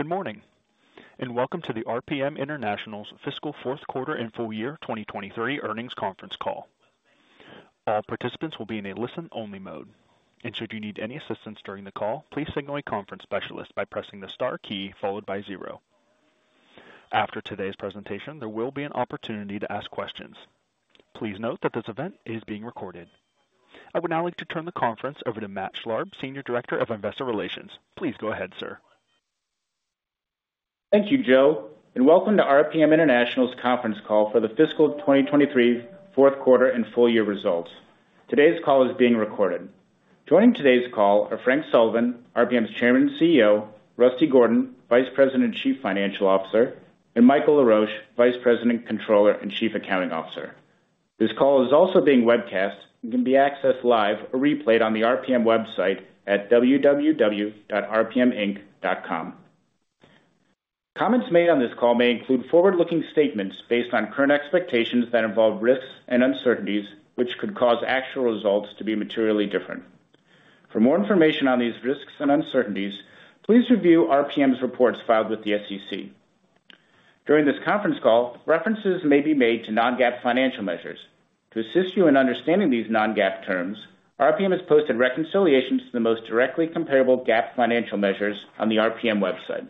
Good morning. Welcome to the RPM International's Fiscal Fourth Quarter and Full Year 2023 Earnings Conference Call. All participants will be in a listen-only mode, and should you need any assistance during the call, please signal a conference specialist by pressing the star key followed by zero. After today's presentation, there will be an opportunity to ask questions. Please note that this event is being recorded. I would now like to turn the conference over to Matt Schlarb, Senior Director of Investor Relations. Please go ahead, sir. Thank you, Joe, and welcome to RPM International's conference call for the fiscal 2023 Fourth Quarter and full year results. Today's call is being recorded. Joining today's call are Frank Sullivan, RPM's Chairman and CEO, Rusty Gordon, Vice President and Chief Financial Officer, and Michael Laroche, Vice President, Controller, and Chief Accounting Officer. This call is also being webcast and can be accessed live or replayed on the RPM website at www.rpminc.com. Comments made on this call may include forward-looking statements based on current expectations that involve risks and uncertainties, which could cause actual results to be materially different. For more information on these risks and uncertainties, please review RPM's reports filed with the SEC. During this conference call, references may be made to non-GAAP financial measures. To assist you in understanding these non-GAAP terms, RPM has posted reconciliations to the most directly comparable GAAP financial measures on the RPM website.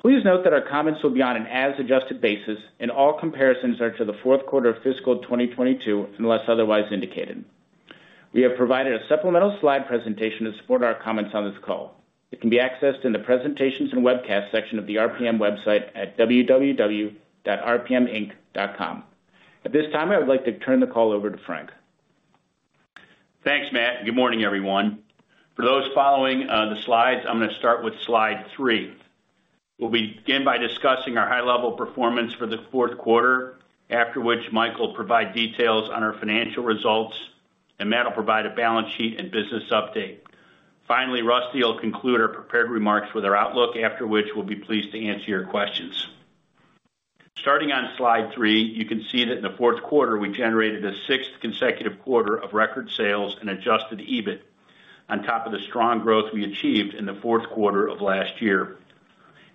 Please note that our comments will be on an as-adjusted basis, and all comparisons are to the fourth quarter of fiscal 2022, unless otherwise indicated. We have provided a supplemental slide presentation to support our comments on this call. It can be accessed in the Presentations and Webcasts section of the RPM website at www.rpminc.com. At this time, I would like to turn the call over to Frank. Thanks, Matt. Good morning, everyone. For those following the slides, I'm gonna start with slide 3. We'll begin by discussing our high-level performance for the fourth quarter, after which Mike will provide details on our financial results, and Matt will provide a balance sheet and business update. Finally, Rusty will conclude our prepared remarks with our outlook, after which we'll be pleased to answer your questions. Starting on slide 3, you can see that in the fourth quarter, we generated a sixth consecutive quarter of record sales and adjusted EBIT, on top of the strong growth we achieved in the fourth quarter of last year.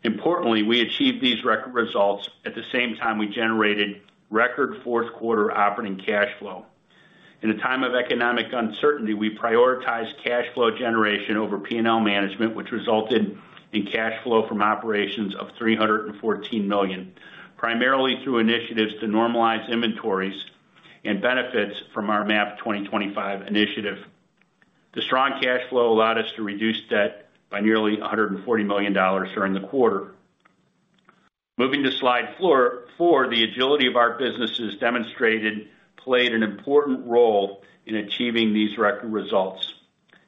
Importantly, we achieved these record results at the same time we generated record fourth quarter operating cash flow. In a time of economic uncertainty, we prioritized cash flow generation over P&L management, which resulted in cash flow from operations of $314 million, primarily through initiatives to normalize inventories and benefits from our MAP 2025 initiative. The strong cash flow allowed us to reduce debt by nearly $140 million during the quarter. Moving to slide 4, the agility of our businesses demonstrated played an important role in achieving these record results.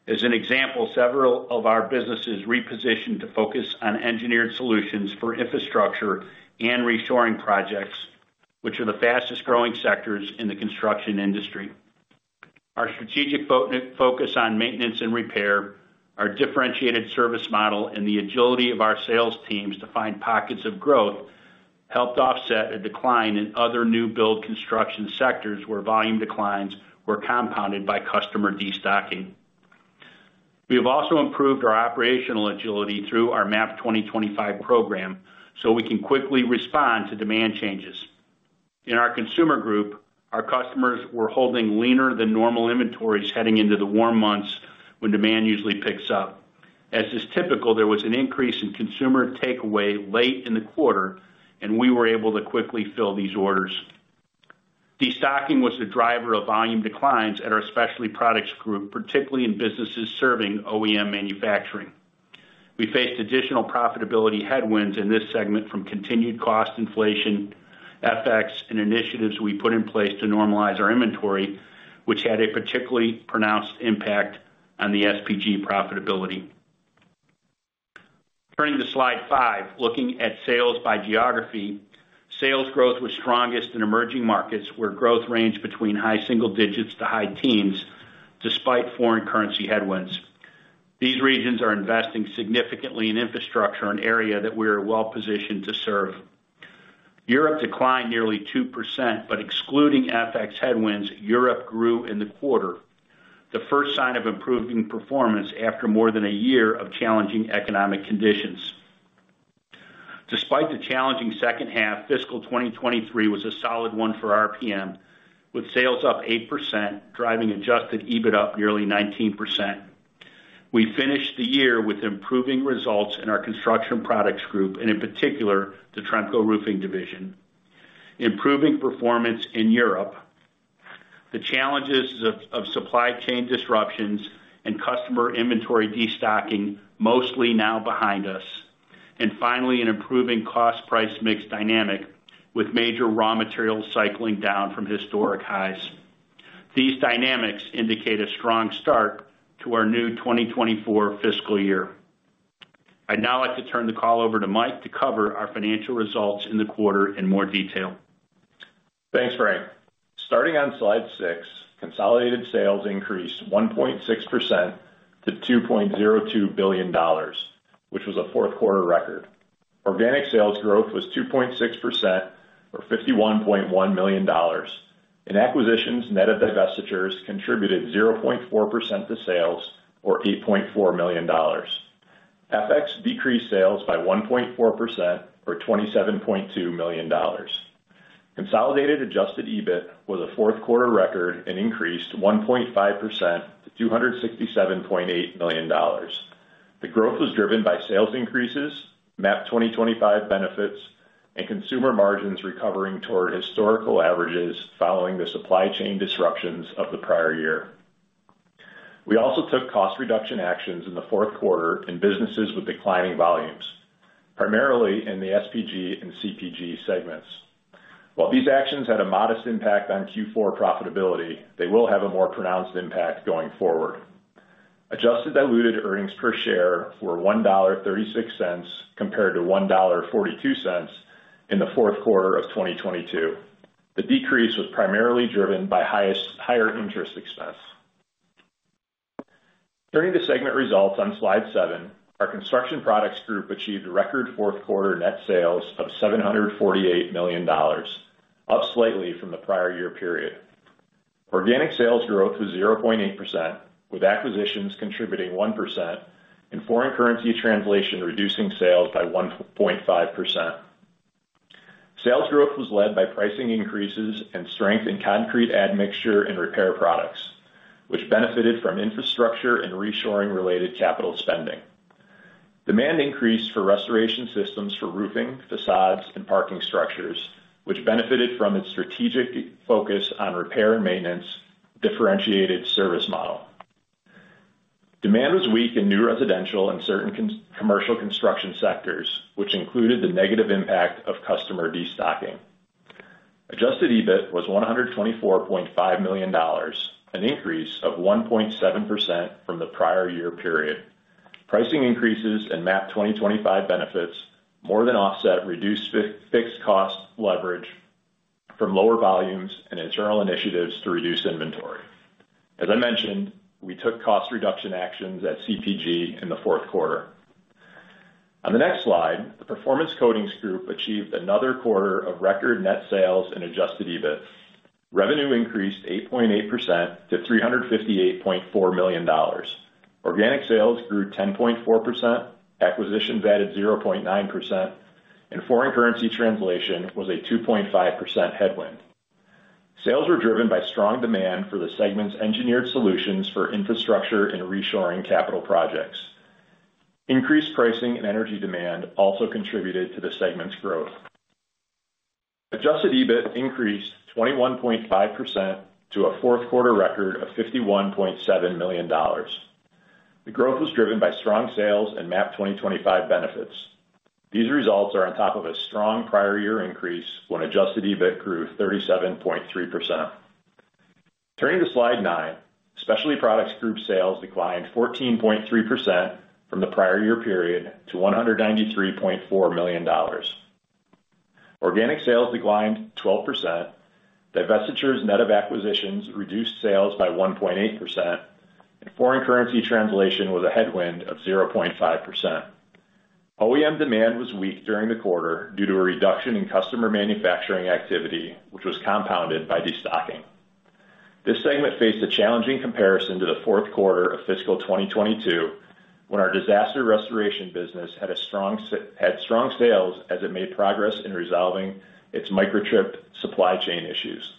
As an example, several of our businesses repositioned to focus on engineered solutions for infrastructure and reshoring projects, which are the fastest growing sectors in the construction industry. Our strategic focus on maintenance and repair, our differentiated service model, and the agility of our sales teams to find pockets of growth helped offset a decline in other new build construction sectors, where volume declines were compounded by customer destocking. We have also improved our operational agility through our MAP 2025 program, so we can quickly respond to demand changes. In our Consumer Group, our customers were holding leaner than normal inventories heading into the warm months, when demand usually picks up. As is typical, there was an increase in consumer takeaway late in the quarter, and we were able to quickly fill these orders. Destocking was the driver of volume declines at our Specialty Products Group, particularly in businesses serving OEM manufacturing. We faced additional profitability headwinds in this segment from continued cost inflation, FX, and initiatives we put in place to normalize our inventory, which had a particularly pronounced impact on the SPG profitability. Turning to slide 5, looking at sales by geography, sales growth was strongest in emerging markets, where growth ranged between high single digits to high teens, despite foreign currency headwinds. These regions are investing significantly in infrastructure, an area that we are well-positioned to serve. Europe declined nearly 2%, but excluding FX headwinds, Europe grew in the quarter, the first sign of improving performance after more than a year of challenging economic conditions. Despite the challenging second half, fiscal 2023 was a solid one for RPM, with sales up 8%, driving adjusted EBIT up nearly 19%. We finished the year with improving results in our Construction Products Group, and in particular, the Tremco Roofing division. Improving performance in Europe, the challenges of supply chain disruptions and customer inventory destocking mostly now behind us. Finally, an improving cost price mix dynamic, with major raw materials cycling down from historic highs. These dynamics indicate a strong start to our new 2024 fiscal year. I'd now like to turn the call over to Mike to cover our financial results in the quarter in more detail. Thanks, Frank. Starting on slide 6, consolidated sales increased 1.6% to $2.02 billion, which was a fourth qarter record. Organic sales growth was 2.6% or $51.1 million, and acquisitions net of divestitures contributed 0.4% to sales or $8.4 million. FX decreased sales by 1.4% or $27.2 million. Consolidated adjusted EBIT was a fourth quarter record and increased 1.5% to $267.8 million. The growth was driven by sales increases, MAP 2025 benefits, and consumer margins recovering toward historical averages following the supply chain disruptions of the prior year. We also took cost reduction actions in the fourth quarter in businesses with declining volumes, primarily in the SPG and CPG segments. While these actions had a modest impact on Q4 profitability, they will have a more pronounced impact going forward. Adjusted diluted earnings per share were $1.36, compared to $1.42 in the fourth quarter of 2022. The decrease was primarily driven by higher interest expense. Turning to segment results on slide 7, our Construction Products Group achieved record fourth quarter net sales of $748 million, up slightly from the prior year period. Organic sales growth was 0.8%, with acquisitions contributing 1% and foreign currency translation reducing sales by 1.5%. Sales growth was led by pricing increases and strength in concrete admixture and repair products, which benefited from infrastructure and reshoring related capital spending. Demand increased for restoration systems for roofing, facades, and parking structures, which benefited from its strategic focus on repair and maintenance differentiated service model. Demand was weak in new residential and certain commercial construction sectors, which included the negative impact of customer destocking. Adjusted EBIT was $124.5 million, an increase of 1.7% from the prior year period. Pricing increases and MAP 2025 benefits more than offset reduced fixed cost leverage from lower volumes and internal initiatives to reduce inventory. As I mentioned, we took cost reduction actions at CPG in the fourth quarter. On the next slide, the Performance Coatings Group achieved another quarter of record net sales and adjusted EBIT. Revenue increased 8.8% to $358.4 million. Organic sales grew 10.4%, acquisitions added 0.9%, and foreign currency translation was a 2.5% headwind. Sales were driven by strong demand for the segment's engineered solutions for infrastructure and reshoring capital projects. Increased pricing and energy demand also contributed to the segment's growth. adjusted EBIT increased 21.5% to a fourth quarter record of $51.7 million. The growth was driven by strong sales and MAP 2025 benefits. These results are on top of a strong prior year increase when adjusted EBIT grew 37.3%. Turning to slide 9, Specialty Products Group sales declined 14.3% from the prior year period to $193.4 million. Organic sales declined 12%, divestitures net of acquisitions reduced sales by 1.8%, and foreign currency translation was a headwind of 0.5%. OEM demand was weak during the quarter due to a reduction in customer manufacturing activity, which was compounded by destocking. This segment faced a challenging comparison to the fourth quarter of fiscal 2022, when our disaster restoration business had strong sales as it made progress in resolving its microchipped supply chain issues.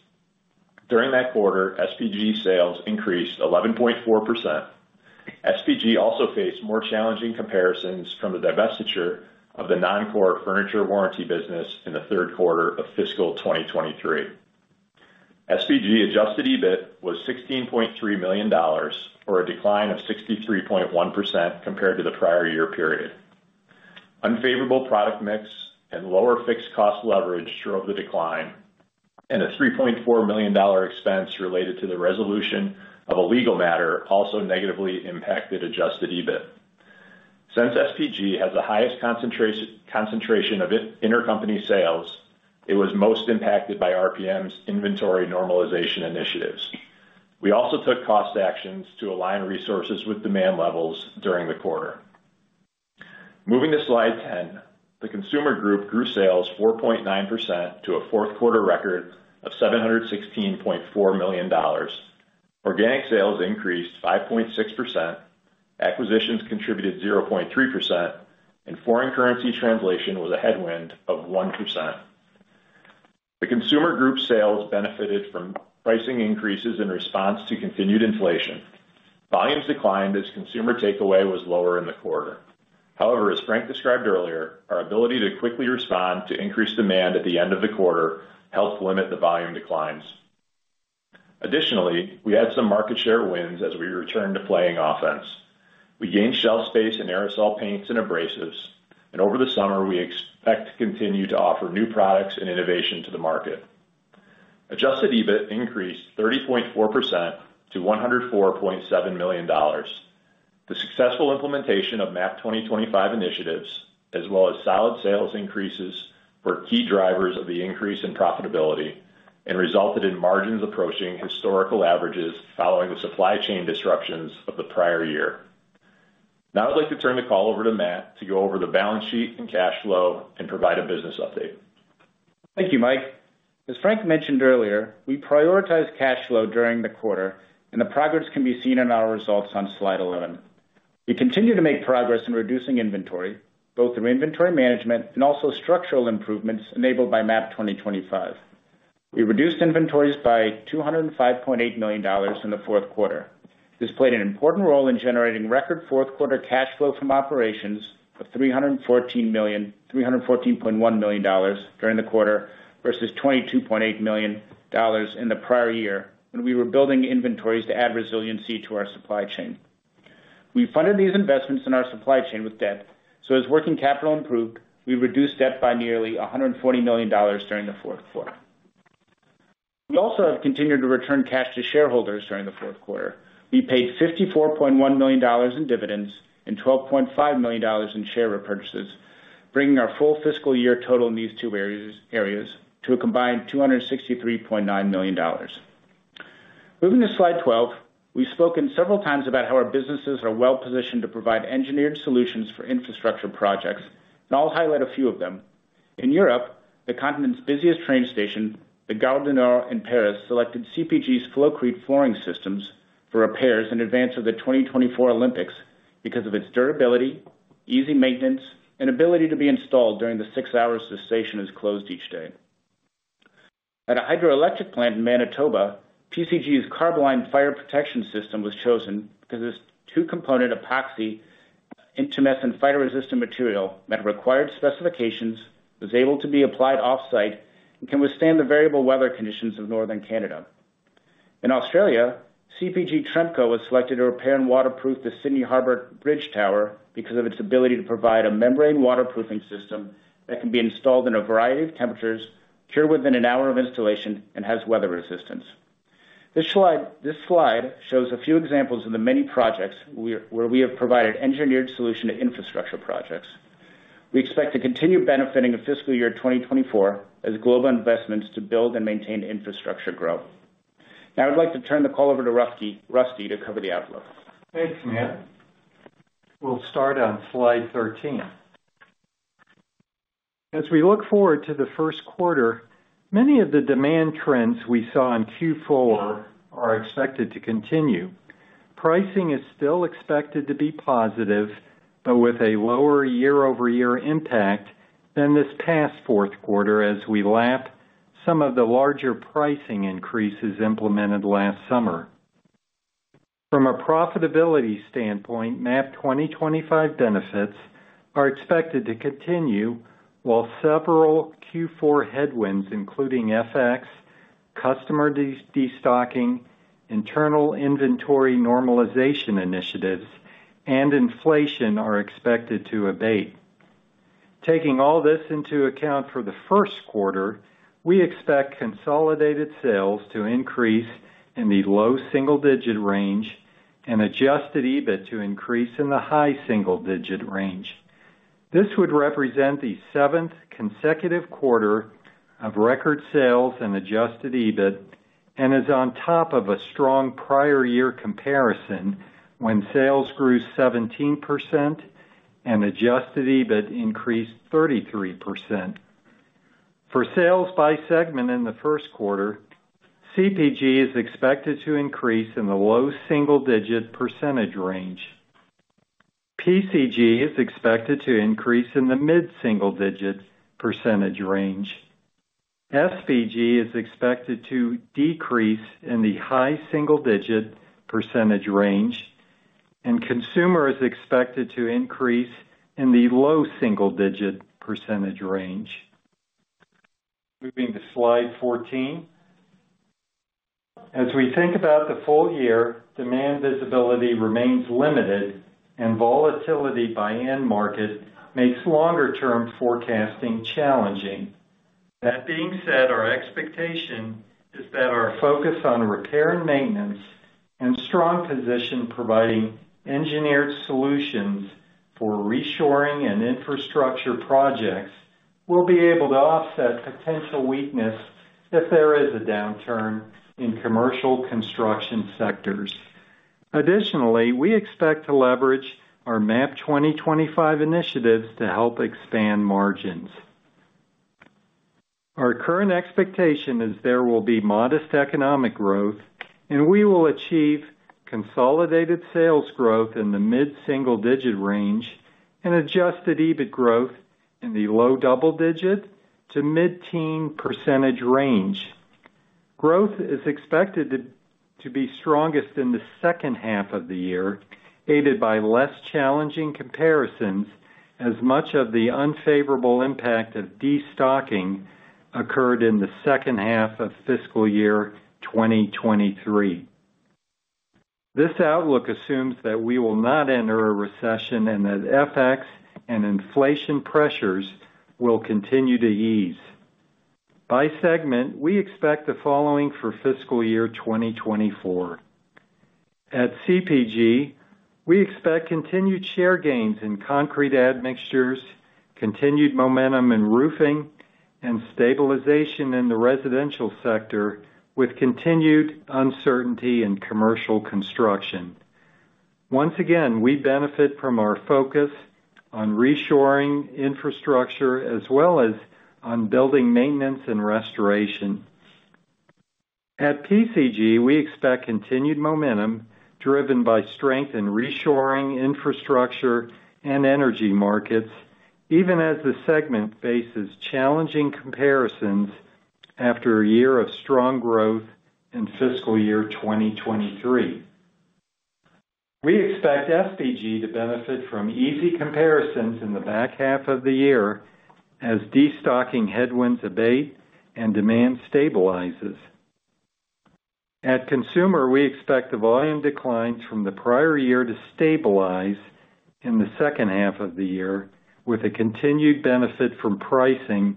During that quarter, SPG sales increased 11.4%. SPG also faced more challenging comparisons from the divestiture of the non-core furniture warranty business in the third quarter of fiscal 2023. SPG adjusted EBIT was $16.3 million, or a decline of 63.1% compared to the prior year period. Unfavorable product mix and lower fixed cost leverage drove the decline, a $3.4 million expense related to the resolution of a legal matter also negatively impacted adjusted EBIT. Since SPG has the highest concentration of intercompany sales, it was most impacted by RPM's inventory normalization initiatives. We also took cost actions to align resources with demand levels during the quarter. Moving to slide 10, the Consumer Group grew sales 4.9% to a fourth quarter record of $716.4 million. Organic sales increased 5.6%, acquisitions contributed 0.3%, Foreign currency translation was a headwind of 1%. The Consumer Group sales benefited from pricing increases in response to continued inflation. Volumes declined as consumer takeaway was lower in the quarter. As Frank described earlier, our ability to quickly respond to increased demand at the end of the quarter helped limit the volume declines. We had some market share wins as we returned to playing offense. We gained shelf space in aerosol paints and abrasives, and over the summer, we expect to continue to offer new products and innovation to the market. Adjusted EBIT increased 30.4% to $104.7 million. The successful implementation of MAP 2025 initiatives, as well as solid sales increases, were key drivers of the increase in profitability and resulted in margins approaching historical averages following the supply chain disruptions of the prior year. I'd like to turn the call over to Matt to go over the balance sheet and cash flow and provide a business update. Thank you, Mike. As Frank mentioned earlier, we prioritized cash flow during the quarter, and the progress can be seen in our results on slide 11. We continue to make progress in reducing inventory, both through inventory management and also structural improvements enabled by MAP 2025. We reduced inventories by $205.8 million in the fourth quarter. This played an important role in generating record fourth quarter cash flow from operations of $314.1 million during the quarter, versus $22.8 million in the prior year, when we were building inventories to add resiliency to our supply chain. As working capital improved, we reduced debt by nearly $140 million during the fourth quarter. We also have continued to return cash to shareholders during the fourth quarter. We paid $54.1 million in dividends and $12.5 million in share repurchases, bringing our full fiscal year total in these two areas to a combined $263.9 million. Moving to slide 12, we've spoken several times about how our businesses are well positioned to provide engineered solutions for infrastructure projects, and I'll highlight a few of them. In Europe, the continent's busiest train station, the Gare du Nord in Paris, selected CPG's Flowcrete flooring systems for repairs in advance of the 2024 Olympics because of its durability, easy maintenance, and ability to be installed during the six hours the station is closed each day. At a hydroelectric plant in Manitoba, PCG's Carboline fire protection system was chosen because its two-component epoxy intumescent fire-resistant material met required specifications, was able to be applied off-site, and can withstand the variable weather conditions of northern Canada. In Australia, CPG Tremco was selected to repair and waterproof the Sydney Harbor Bridge Tower because of its ability to provide a membrane waterproofing system that can be installed in a variety of temperatures, cure within an hour of installation, and has weather resistance. This slide shows a few examples of the many projects where we have provided engineered solution to infrastructure projects. We expect to continue benefiting in fiscal year 2024 as global investments to build and maintain infrastructure grow. I'd like to turn the call over to Rusty to cover the outlook. Thanks, Matt. We'll start on slide 13. We look forward to the first quarter, many of the demand trends we saw in Q4 are expected to continue. Pricing is still expected to be positive, but with a lower year-over-year impact than this past fourth quarter as we lap some of the larger pricing increases implemented last summer. From a profitability standpoint, MAP 2025 benefits are expected to continue, while several Q4 headwinds, including FX, customer destocking, internal inventory normalization initiatives, and inflation, are expected to abate. Taking all this into account, for the first quarter, we expect consolidated sales to increase in the low single-digit % range and adjusted EBIT to increase in the high single-digit % range. This would represent the seventh consecutive quarter of record sales and adjusted EBIT, and is on top of a strong prior year comparison when sales grew 17% and adjusted EBIT increased 33%. For sales by segment in the first quarter, CPG is expected to increase in the low single-digit percentage range. PCG is expected to increase in the mid-single digit percentage range. SPG is expected to decrease in the high single-digit percentage range, and consumer is expected to increase in the low single-digit percentage range. Moving to slide 14. As we think about the full year, demand visibility remains limited and volatility by end market makes longer-term forecasting challenging. That being said, our expectation is that our focus on repair and maintenance and strong position providing engineered solutions for reshoring and infrastructure projects will be able to offset potential weakness if there is a downturn in commercial construction sectors. We expect to leverage our MAP 2025 initiatives to help expand margins. Our current expectation is there will be modest economic growth. We will achieve consolidated sales growth in the mid-single-digit range and adjusted EBIT growth in the low double-digit to mid-teen percentage range. Growth is expected to be strongest in the second half of the year, aided by less challenging comparisons as much of the unfavorable impact of destocking occurred in the second half of fiscal year 2023. This outlook assumes that we will not enter a recession. FX and inflation pressures will continue to ease. By segment, we expect the following for fiscal year 2024: At CPG, we expect continued share gains in concrete admixtures, continued momentum in roofing.... and stabilization in the residential sector, with continued uncertainty in commercial construction. Once again, we benefit from our focus on reshoring infrastructure as well as on building maintenance and restoration. At PCG, we expect continued momentum, driven by strength in reshoring infrastructure and energy markets, even as the segment faces challenging comparisons after a year of strong growth in fiscal year 2023. We expect SPG to benefit from easy comparisons in the back half of the year as destocking headwinds abate and demand stabilizes. At Consumer, we expect the volume declines from the prior year to stabilize in the second half of the year, with a continued benefit from pricing,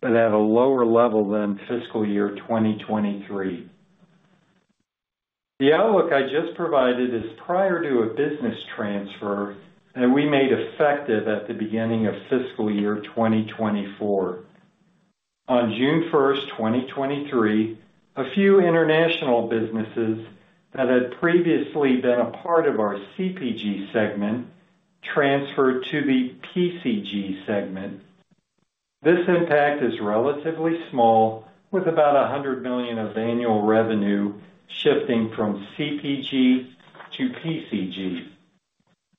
but at a lower level than fiscal year 2023. The outlook I just provided is prior to a business transfer that we made effective at the beginning of fiscal year 2024. On June 1st, 2023, a few international businesses that had previously been a part of our CPG segment transferred to the PCG segment. This impact is relatively small, with about $100 million of annual revenue shifting from CPG to PCG.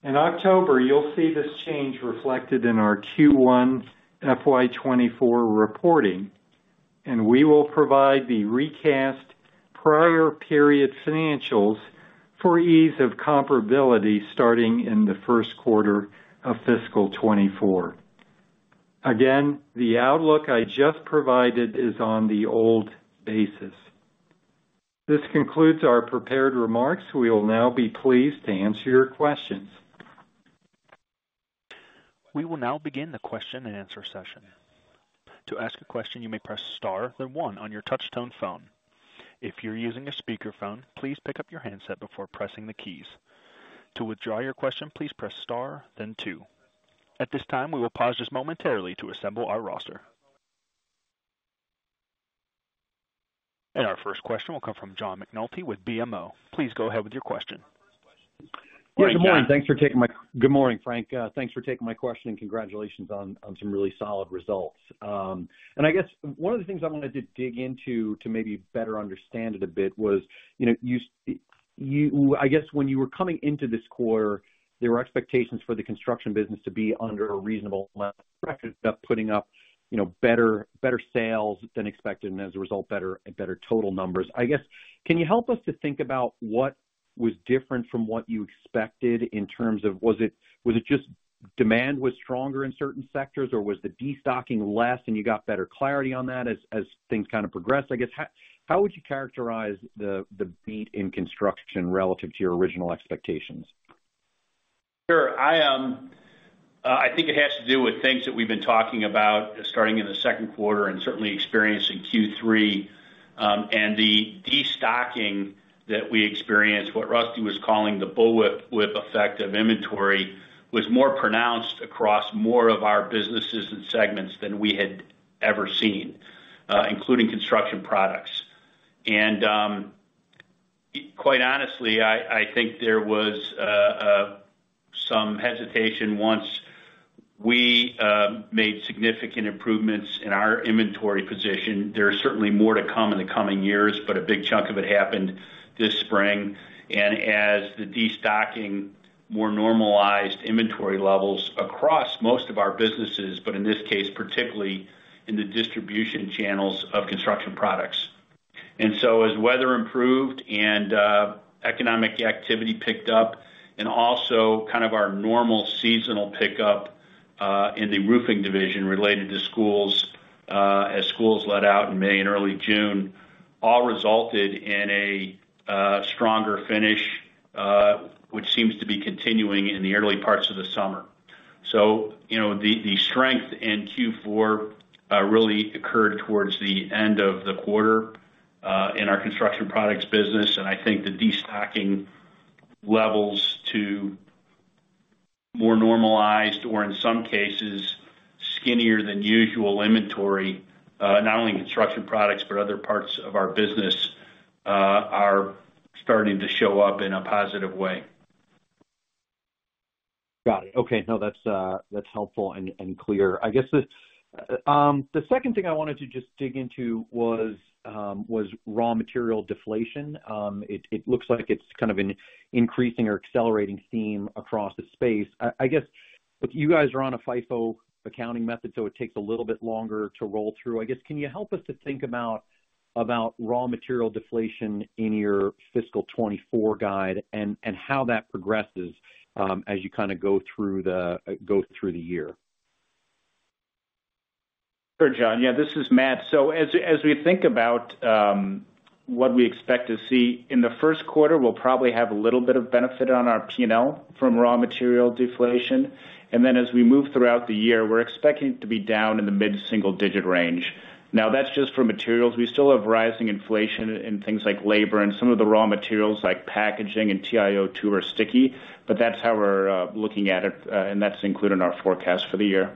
In October, you'll see this change reflected in our Q1 FY 2024 reporting, and we will provide the recast prior period financials for ease of comparability starting in the first quarter of fiscal 2024. Again, the outlook I just provided is on the old basis. This concludes our prepared remarks. We will now be pleased to answer your questions. We will now begin the question and answer session. To ask a question, you may press star, then one on your touchtone phone. If you're using a speakerphone, please pick up your handset before pressing the keys. To withdraw your question, please press star then two. At this time, we will pause just momentarily to assemble our roster. Our first question will come from John McNulty with BMO. Please go ahead with your question. Good morning. Good morning, Frank. Thanks for taking my question and congratulations on some really solid results. I guess one of the things I wanted to dig into to maybe better understand it a bit was, you know, I guess when you were coming into this quarter, there were expectations for the construction business to be under a reasonable level, putting up, you know, better sales than expected, and as a result, better total numbers. I guess, can you help us to think about what was different from what you expected in terms of was it just demand was stronger in certain sectors, or was the destocking less and you got better clarity on that as things kind of progressed? I guess, how would you characterize the beat in construction relative to your original expectations? Sure. I think it has to do with things that we've been talking about starting in the second quarter and certainly experienced in Q3. The destocking that we experienced, what Rusty was calling the bullwhip effect of inventory, was more pronounced across more of our businesses and segments than we had ever seen, including Construction Products. Quite honestly, I think there was some hesitation once we made significant improvements in our inventory position. There are certainly more to come in the coming years, but a big chunk of it happened this spring. As the destocking, more normalized inventory levels across most of our businesses, but in this case, particularly in the distribution channels of Construction Products. As weather improved, economic activity picked up, and also kind of our normal seasonal pickup in the roofing division related to schools, as schools let out in May and early June, all resulted in a stronger finish, which seems to be continuing in the early parts of the summer. You know, the strength in Q4 really occurred towards the end of the quarter in our construction products business. I think the destocking levels to more normalized or in some cases, skinnier than usual inventory, not only in construction products, but other parts of our business, are starting to show up in a positive way. Got it. Okay. No, that's helpful and clear. I guess the second thing I wanted to just dig into was raw material deflation. It looks like it's kind of an increasing or accelerating theme across the space. I guess, look, you guys are on a FIFO accounting method. It takes a little bit longer to roll through. Can you help us to think about raw material deflation in your fiscal 2024 guide and how that progresses as you kind of go through the year? Sure, John. Yeah, this is Matt. As we think about what we expect to see in the first quarter, we'll probably have a little bit of benefit on our P&L from raw material deflation, and then as we move throughout the year, we're expecting to be down in the mid-single digit range. Now, that's just for materials. We still have rising inflation in things like labor, and some of the raw materials, like packaging and TIO2, are sticky, but that's how we're looking at it, and that's included in our forecast for the year.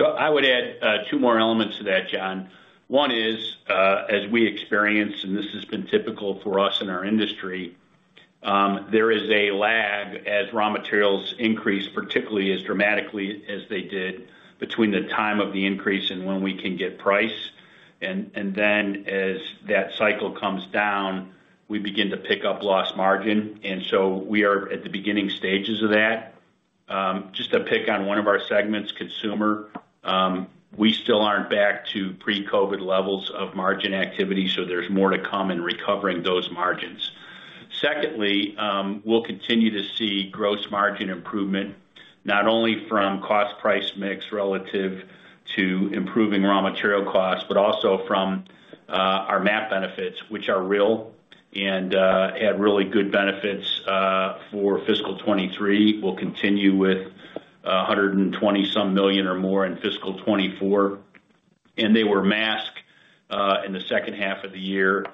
I would add two more elements to that, John. One is, as we experience, and this has been typical for us in our industry, there is a lag as raw materials increase, particularly as dramatically as they did, between the time of the increase and when we can get price. Then as that cycle comes down, we begin to pick up lost margin, we are at the beginning stages of that. Just to pick on one of our segments, Consumer, we still aren't back to pre-COVID levels of margin activity, there's more to come in recovering those margins. Secondly, we'll continue to see gross margin improvement, not only from cost price mix relative to improving raw material costs, but also from our MAP benefits, which are real and had really good benefits for fiscal 2023, will continue with $120 some million or more in fiscal 2024. They were masked in the second half of the year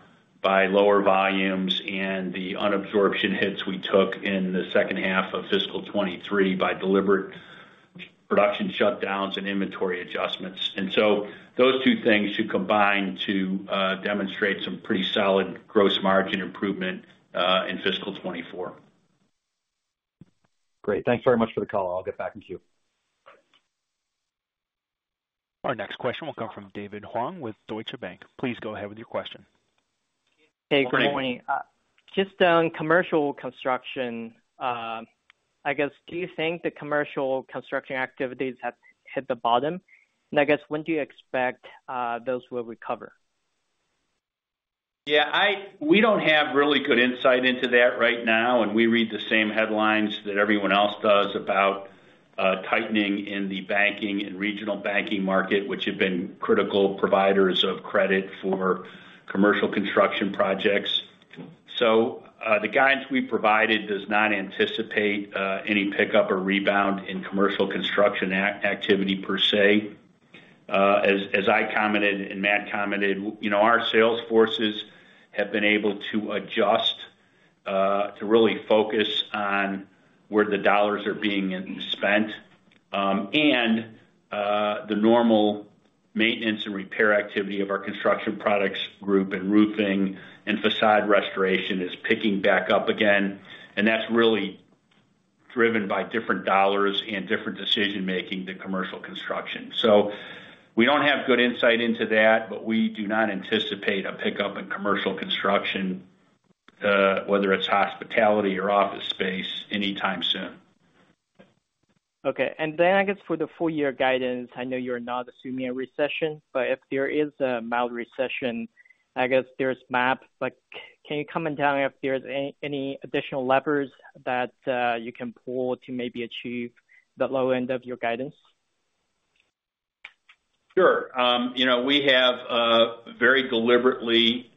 by lower volumes and the unabsorption hits we took in the second half of fiscal 2023 by deliberate production shutdowns and inventory adjustments. Those two things should combine to demonstrate some pretty solid gross margin improvement in fiscal 2024. Great. Thanks very much for the call. I'll get back in queue. Our next question will come from David Huang with Deutsche Bank. Please go ahead with your question. Hey, good morning. Just on commercial construction, I guess, do you think the commercial construction activities have hit the bottom? I guess, when do you expect those will recover? Yeah, we don't have really good insight into that right now, and we read the same headlines that everyone else does about tightening in the banking and regional banking market, which have been critical providers of credit for commercial construction projects. The guidance we provided does not anticipate any pickup or rebound in commercial construction activity per se. As, as I commented and Matt commented, you know, our sales forces have been able to adjust to really focus on where the dollars are being spent, and the normal maintenance and repair activity of our Construction Products Group in roofing and facade restoration is picking back up again, and that's really driven by different dollars and different decision-making than commercial construction. We don't have good insight into that, but we do not anticipate a pickup in commercial construction, whether it's hospitality or office space, anytime soon. Okay. Then, I guess, for the full year guidance, I know you're not assuming a recession, but if there is a mild recession, I guess there's MAP, but can you comment down if there's any additional levers that you can pull to maybe achieve the low end of your guidance? Sure. you know, we have very deliberately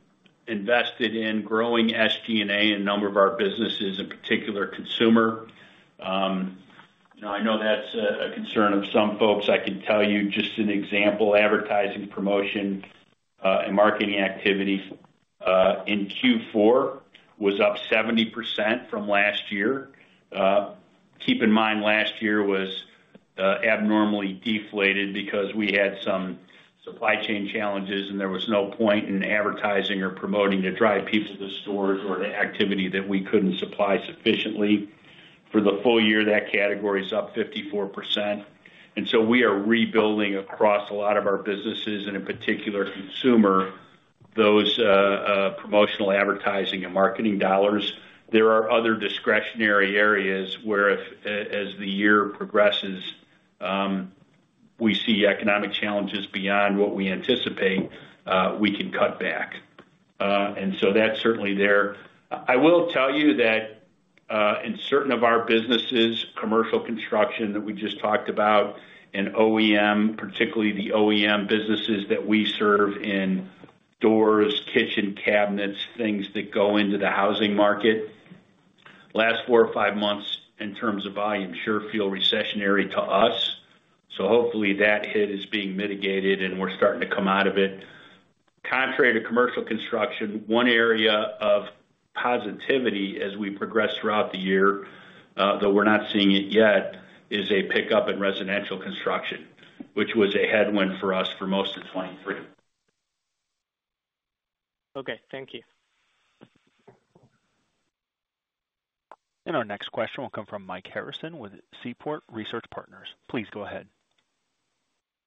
invested in growing SG&A in a number of our businesses, in particular, Consumer Group. Now, I know that's a concern of some folks. I can tell you just an example, advertising, promotion and marketing activity in Q4 was up 70% from last year. Keep in mind, last year was abnormally deflated because we had some supply chain challenges, and there was no point in advertising or promoting to drive people to stores or to activity that we couldn't supply sufficiently. For the full year, that category is up 54%. We are rebuilding across a lot of our businesses, and in particular, Consumer Group, those promotional advertising and marketing dollars. There are other discretionary areas where if, as the year progresses, we see economic challenges beyond what we anticipate, we can cut back. That's certainly there. I will tell you that, in certain of our businesses, commercial construction that we just talked about, and OEM, particularly the OEM businesses that we serve in doors, kitchen, cabinets, things that go into the housing market, last four or five months, in terms of volume, sure feel recessionary to us, so hopefully that hit is being mitigated and we're starting to come out of it. Contrary to commercial construction, one area of positivity as we progress throughout the year, though we're not seeing it yet, is a pickup in residential construction, which was a headwind for us for most of 2023. Okay, thank you. Our next question will come from Mike Harrison with Seaport Research Partners. Please go ahead.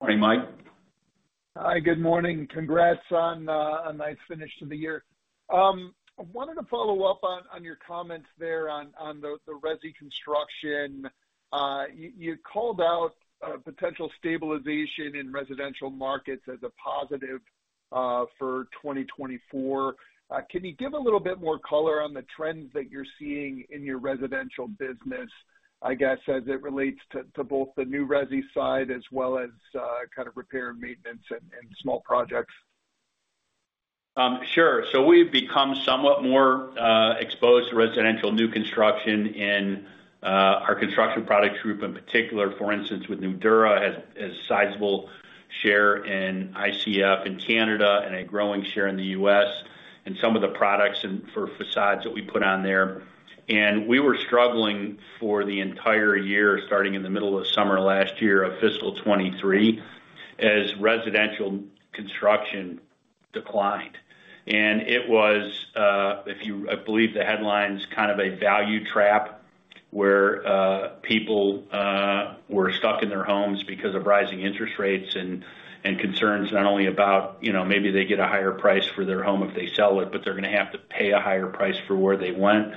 Morning, Mike. Hi, good morning. Congrats on a nice finish to the year. I wanted to follow up on your comments there on the resi construction. You called out potential stabilization in residential markets as a positive for 2024. Can you give a little bit more color on the trends that you're seeing in your residential business, I guess, as it relates to both the new resi side as well as kind of repair and maintenance and small projects?... sure. We've become somewhat more exposed to residential new construction in our Construction Products Group, in particular, for instance, with Nudura, has sizable share in ICF in Canada and a growing share in the U.S., and some of the products and for facades that we put on there. We were struggling for the entire year, starting in the middle of summer last year, of fiscal 2023, as residential construction declined. It was, if you, I believe the headlines, kind of a value trap, where people were stuck in their homes because of rising interest rates and concerns not only about, you know, maybe they get a higher price for their home if they sell it, but they're gonna have to pay a higher price for where they went.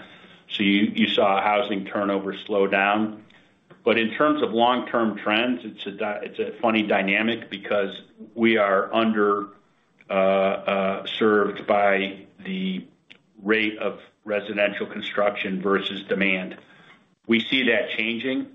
You saw a housing turnover slow down. In terms of long-term trends, it's a funny dynamic because we are under served by the rate of residential construction versus demand. We see that changing.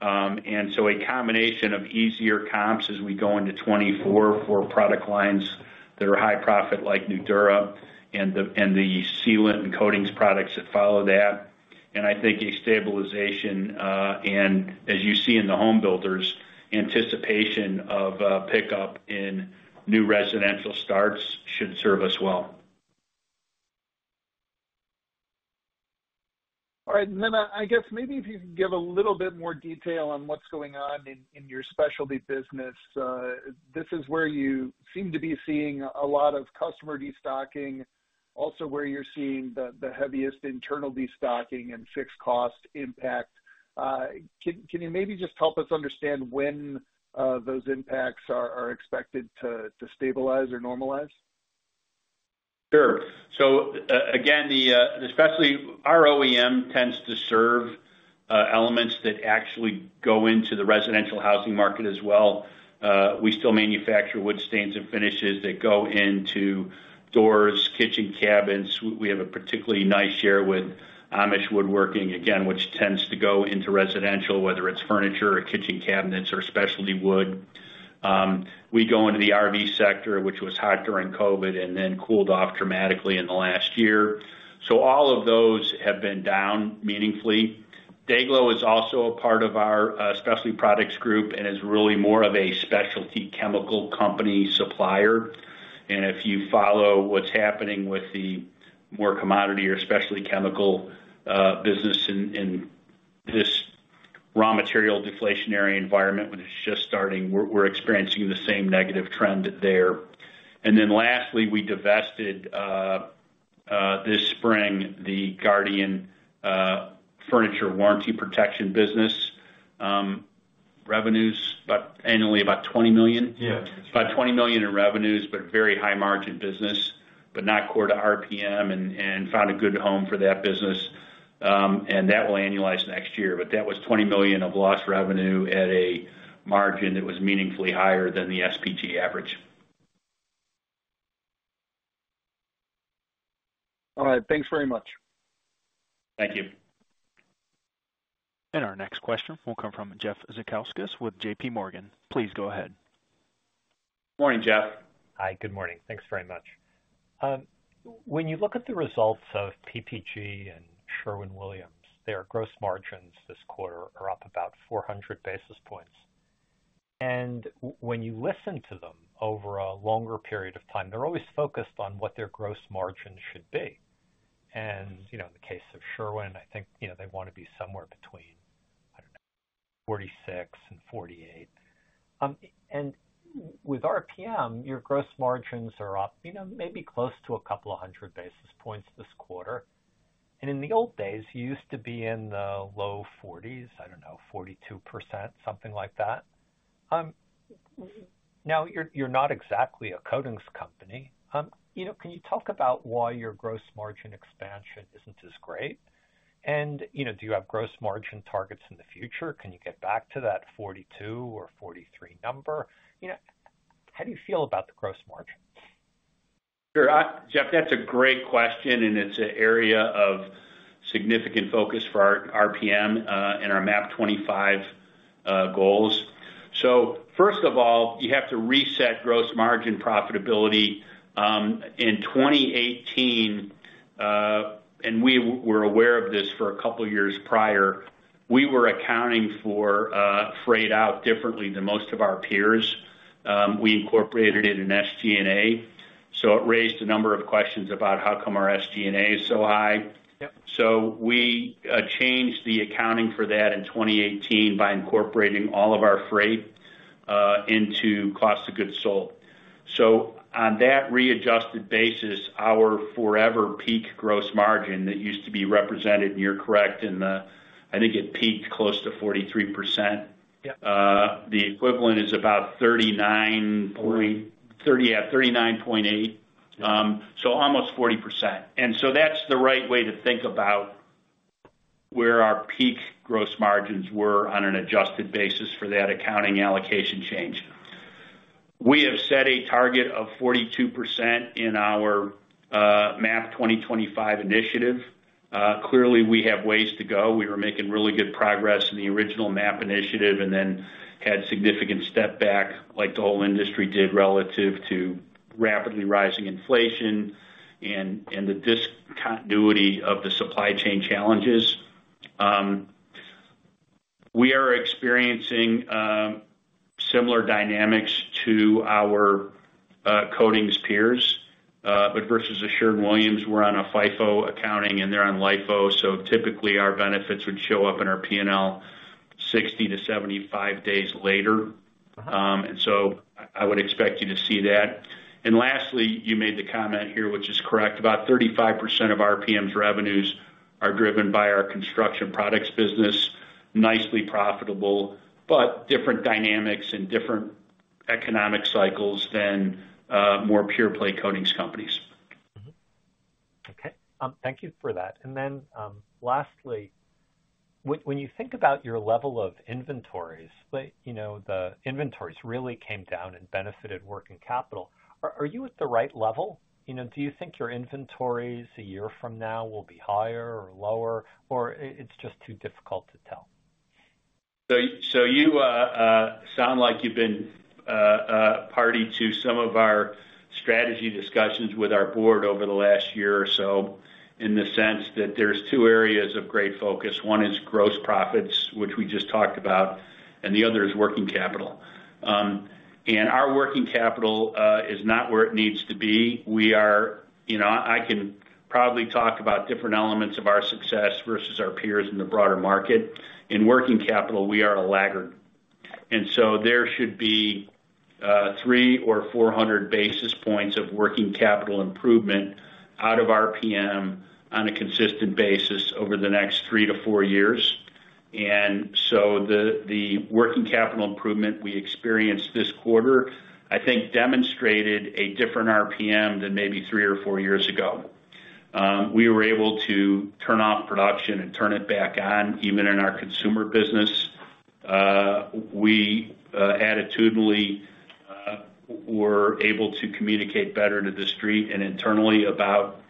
A combination of easier comps as we go into 2024 for product lines that are high profit, like Nudura and the sealant and coatings products that follow that. I think a stabilization, and as you see in the home builders, anticipation of pickup in new residential starts should serve us well. All right. Then, I guess maybe if you can give a little bit more detail on what's going on in your specialty business. This is where you seem to be seeing a lot of customer destocking, also where you're seeing the heaviest internal destocking and fixed cost impact. Can you maybe just help us understand when those impacts are expected to stabilize or normalize? Sure. Again, the specialty, our OEM tends to serve elements that actually go into the residential housing market as well. We still manufacture wood stains and finishes that go into doors, kitchen cabinets. We have a particularly nice share with Amish woodworking, again, which tends to go into residential, whether it's furniture or kitchen cabinets or specialty wood. We go into the RV sector, which was hot during COVID and then cooled off dramatically in the last year. All of those have been down meaningfully. DayGlo is also a part of our Specialty Products Group and is really more of a specialty chemical company supplier. If you follow what's happening with the more commodity or specialty chemical business in this raw material, deflationary environment, when it's just starting, we're experiencing the same negative trend there. Lastly, we divested this spring, the Guardian furniture warranty protection business. Revenues about, annually, about $20 million. Yeah. About $20 million in revenues, but very high margin business, but not core to RPM and found a good home for that business. That will annualize next year, that was $20 million of lost revenue at a margin that was meaningfully higher than the SPG average. All right. Thanks very much. Thank you. Our next question will come from Jeff Zekauskas with JPMorgan. Please go ahead. Morning, Jeff. Hi, good morning. Thanks very much. When you look at the results of PPG and Sherwin-Williams, their gross margins this quarter are up about 400 basis points. When you listen to them over a longer period of time, they're always focused on what their gross margins should be. You know, in the case of Sherwin, I think, you know, they wanna be somewhere between, I don't know, 46 and 48. With RPM, your gross margins are up, you know, maybe close to 200 basis points this quarter. In the old days, you used to be in the low 40s, I don't know, 42%, something like that. Now, you're not exactly a coatings company. You know, can you talk about why your gross margin expansion isn't as great? You know, do you have gross margin targets in the future? Can you get back to that 42 or 43 number? You know, how do you feel about the gross margin? Sure. Jeff, that's a great question, and it's an area of significant focus for our RPM and our MAP 2025 goals. First of all, you have to reset gross margin profitability. In 2018, and we were aware of this for a couple of years prior, we were accounting for freight out differently than most of our peers. We incorporated it in SG&A, it raised a number of questions about how come our SG&A is so high. Yep. We changed the accounting for that in 2018 by incorporating all of our freight into cost of goods sold. On that readjusted basis, our forever peak gross margin that used to be represented, and you're correct I think it peaked close to 43%. Yep. The equivalent is about 39.8. Yep. Almost 40%. That's the right way to think about where our peak gross margins were on an adjusted basis for that accounting allocation change. We have set a target of 42% in our MAP 2025 initiative. Clearly, we have ways to go. We were making really good progress in the original MAP initiative and then had significant step back, like the whole industry did, relative to rapidly rising inflation and the discontinuity of the supply chain challenges. We are experiencing similar dynamics to our coatings peers, but versus Sherwin-Williams, we're on a FIFO accounting, and they're on LIFO. Typically, our benefits would show up in our P&L 60 to 75 days later. I would expect you to see that. Lastly, you made the comment here, which is correct, about 35% of RPM's revenues are driven by our construction products business, nicely profitable, but different dynamics and different economic cycles than more pure play coatings companies. Okay, thank you for that. Lastly, when you think about your level of inventories, like, you know, the inventories really came down and benefited working capital, are you at the right level? You know, do you think your inventories a year from now will be higher or lower, or it's just too difficult to tell? You sound like you've been party to some of our strategy discussions with our board over the last year or so, in the sense that there's two areas of great focus. One is gross profits, which we just talked about, and the other is working capital. Our working capital is not where it needs to be. We are... You know, I can probably talk about different elements of our success versus our peers in the broader market. In working capital, we are a laggard. There should be 300 or 400 basis points of working capital improvement out of RPM on a consistent basis over the next three to four years. The working capital improvement we experienced this quarter, I think, demonstrated a different RPM than maybe three or four years ago. We were able to turn off production and turn it back on, even in our Consumer business. We attitudinally were able to communicate better to the Street and internally about,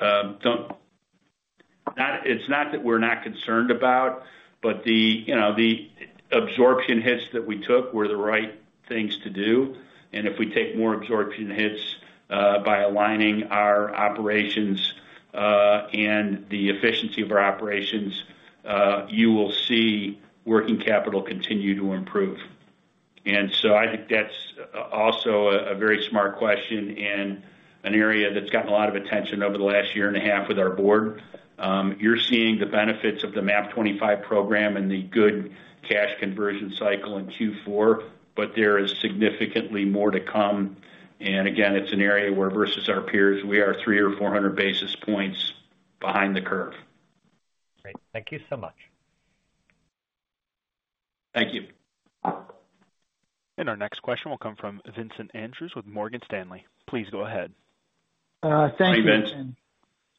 it's not that we're not concerned about, but the, you know, the absorption hits that we took were the right things to do. If we take more absorption hits by aligning our operations and the efficiency of our operations, you will see working capital continue to improve. I think that's also a very smart question and an area that's gotten a lot of attention over the last year and a half with our Board. You're seeing the benefits of the MAP 2025 program and the good cash conversion cycle in Q4. There is significantly more to come. Again, it's an area where, versus our peers, we are 300 or 400 basis points behind the curve. Great. Thank you so much. Thank you. Our next question will come from Vincent Andrews with Morgan Stanley. Please go ahead. Thank you. Hi, Vince.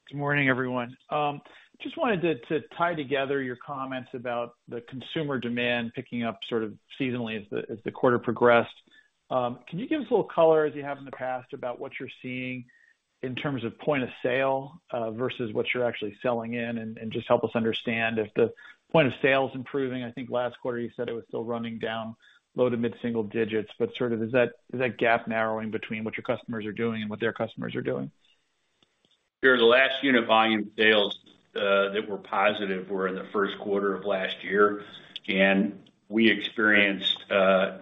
Good morning, everyone. Just wanted to tie together your comments about the consumer demand picking up sort of seasonally as the, as the quarter progressed. Can you give us a little color, as you have in the past, about what you're seeing in terms of point of sale versus what you're actually selling in? Just help us understand if the point of sale is improving. I think last quarter you said it was still running down low to mid-single digits, but sort of is that, is that gap narrowing between what your customers are doing and what their customers are doing? Sure. The last unit volume sales that were positive were in the first quarter of last year, we experienced a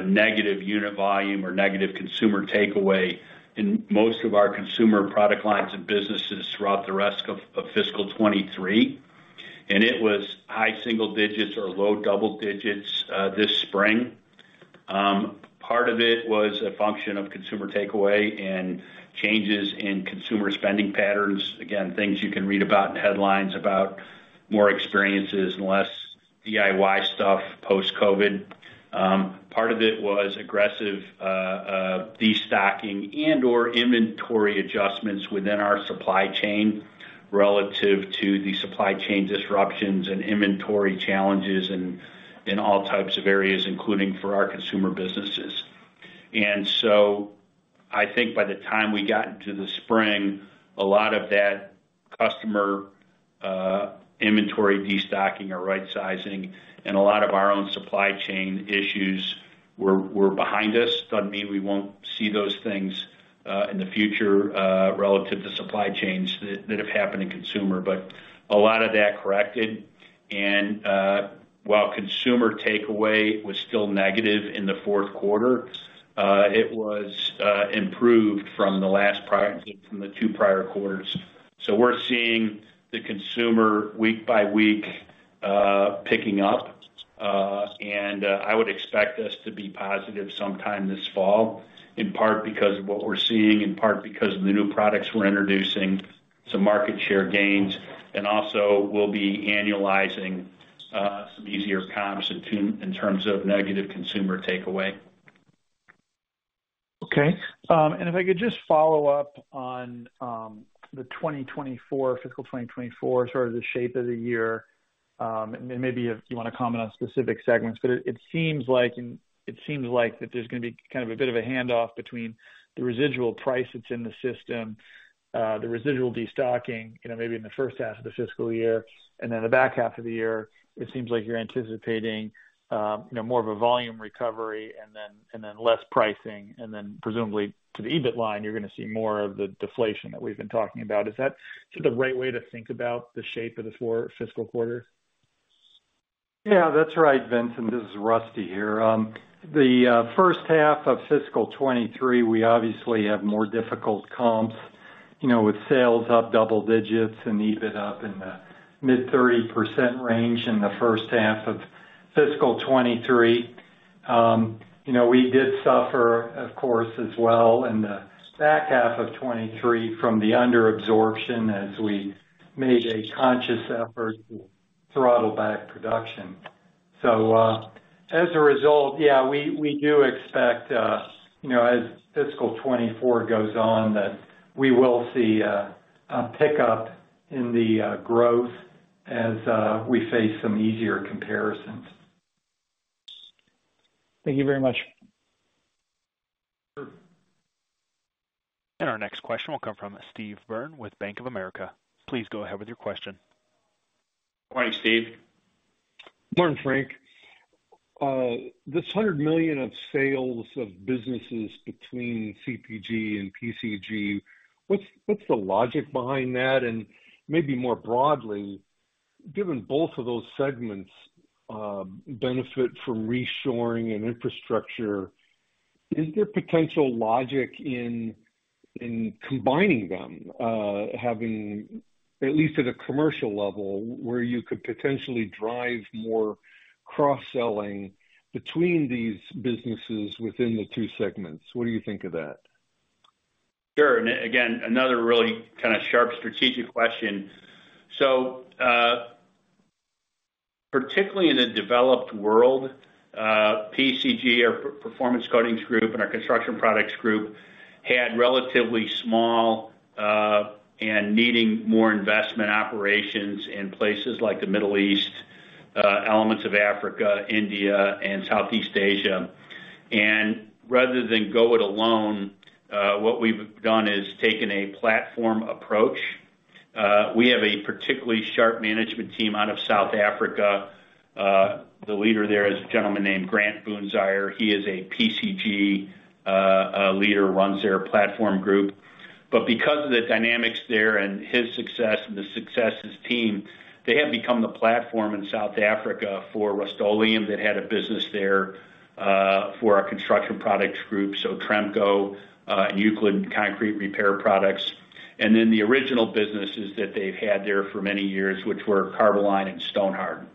negative unit volume or negative consumer takeaway in most of our consumer product lines and businesses throughout the rest of fiscal 2023. It was high single digits or low double digits this spring. Part of it was a function of consumer takeaway and changes in consumer spending patterns. Again, things you can read about in headlines, about more experiences and less DIY stuff post-COVID. Part of it was aggressive destocking and/or inventory adjustments within our supply chain, relative to the supply chain disruptions and inventory challenges in all types of areas, including for our consumer businesses. I think by the time we got into the spring, a lot of that customer inventory destocking or rightsizing and a lot of our own supply chain issues were behind us. Doesn't mean we won't see those things in the future relative to supply chains that have happened in consumer. A lot of that corrected, and while consumer takeaway was still negative in the fourth quarter, it was improved from the two prior quarters. We're seeing the consumer, week by week, picking up, and I would expect this to be positive sometime this fall, in part because of what we're seeing, in part because of the new products we're introducing, some market share gains, and also we'll be annualizing some easier comps in tune, in terms of negative consumer takeaway. Okay, if I could just follow up on the 2024, fiscal 2024, sort of the shape of the year. Maybe if you want to comment on specific segments, but it seems like, and it seems like that there's gonna be kind of a bit of a handoff between the residual price that's in the system, the residual destocking, you know, maybe in the first half of the fiscal year, and then the back half of the year, it seems like you're anticipating, you know, more of a volume recovery and then, and then less pricing. Presumably, to the EBIT line, you're gonna see more of the deflation that we've been talking about. Is that sort of the right way to think about the shape of this for fiscal quarter? Yeah, that's right, Vincent. This is Rusty here. The first half of fiscal 2023, we obviously have more difficult comps, you know, with sales up double digits and EBIT up in the mid-30% range in the first half of fiscal 2023. We did suffer, of course, as well in the back half of 2023 from the under absorption as we made a conscious effort to throttle back production. As a result, yeah, we do expect, you know, as fiscal 2024 goes on, that we will see a pickup in the growth as we face some easier comparisons. Thank you very much. Sure. Our next question will come from Steve Byrne with Bank of America. Please go ahead with your question. Morning, Steve. Morning, Frank. This $100 million of sales of businesses between CPG and PCG, what's the logic behind that? Maybe more broadly, given both of those segments benefit from reshoring and infrastructure, is there potential logic in combining them, having, at least at a commercial level, where you could potentially drive more cross-selling between these businesses within the two segments? What do you think of that? Sure. again, another really kind of sharp strategic question. Particularly in the developed world, PCG, our Performance Coatings Group and our Construction Products Group, had relatively small, and needing more investment operations in places like the Middle East, elements of Africa, India, and Southeast Asia. Rather than go it alone, what we've done is taken a platform approach. We have a particularly sharp management team out of South Africa. The leader there is a gentleman named Grant Boonzaier. He is a PCG, leader, runs their platform group. Because of the dynamics there and his success and the success of his team, they have become the platform in South Africa for Rust-Oleum that had a business there, for our Construction Products Group, so Tremco, Euclid Concrete Repair Products, and then the original businesses that they've had there for many years, which were Carboline and Stonhard.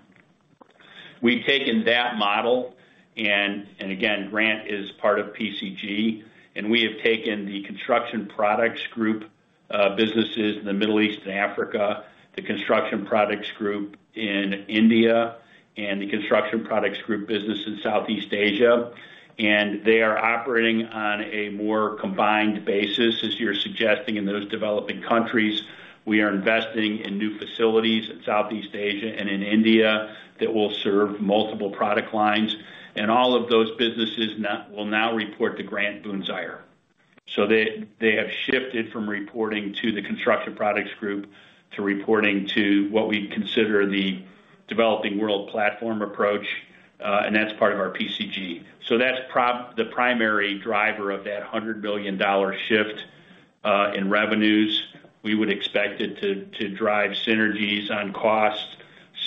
We've taken that model, and again, Grant is part of PCG, and we have taken the Construction Products Group businesses in the Middle East and Africa, the Construction Products Group in India, and the Construction Products Group business in Southeast Asia, and they are operating on a more combined basis, as you're suggesting, in those developing countries. We are investing in new facilities in Southeast Asia and in India that will serve multiple product lines, and all of those businesses will now report to Grant Boonzaier. They have shifted from reporting to the Construction Products Group to reporting to what we consider the developing world platform approach, and that's part of our PCG. That's the primary driver of that $100 billion shift in revenues. We would expect it to drive synergies on cost,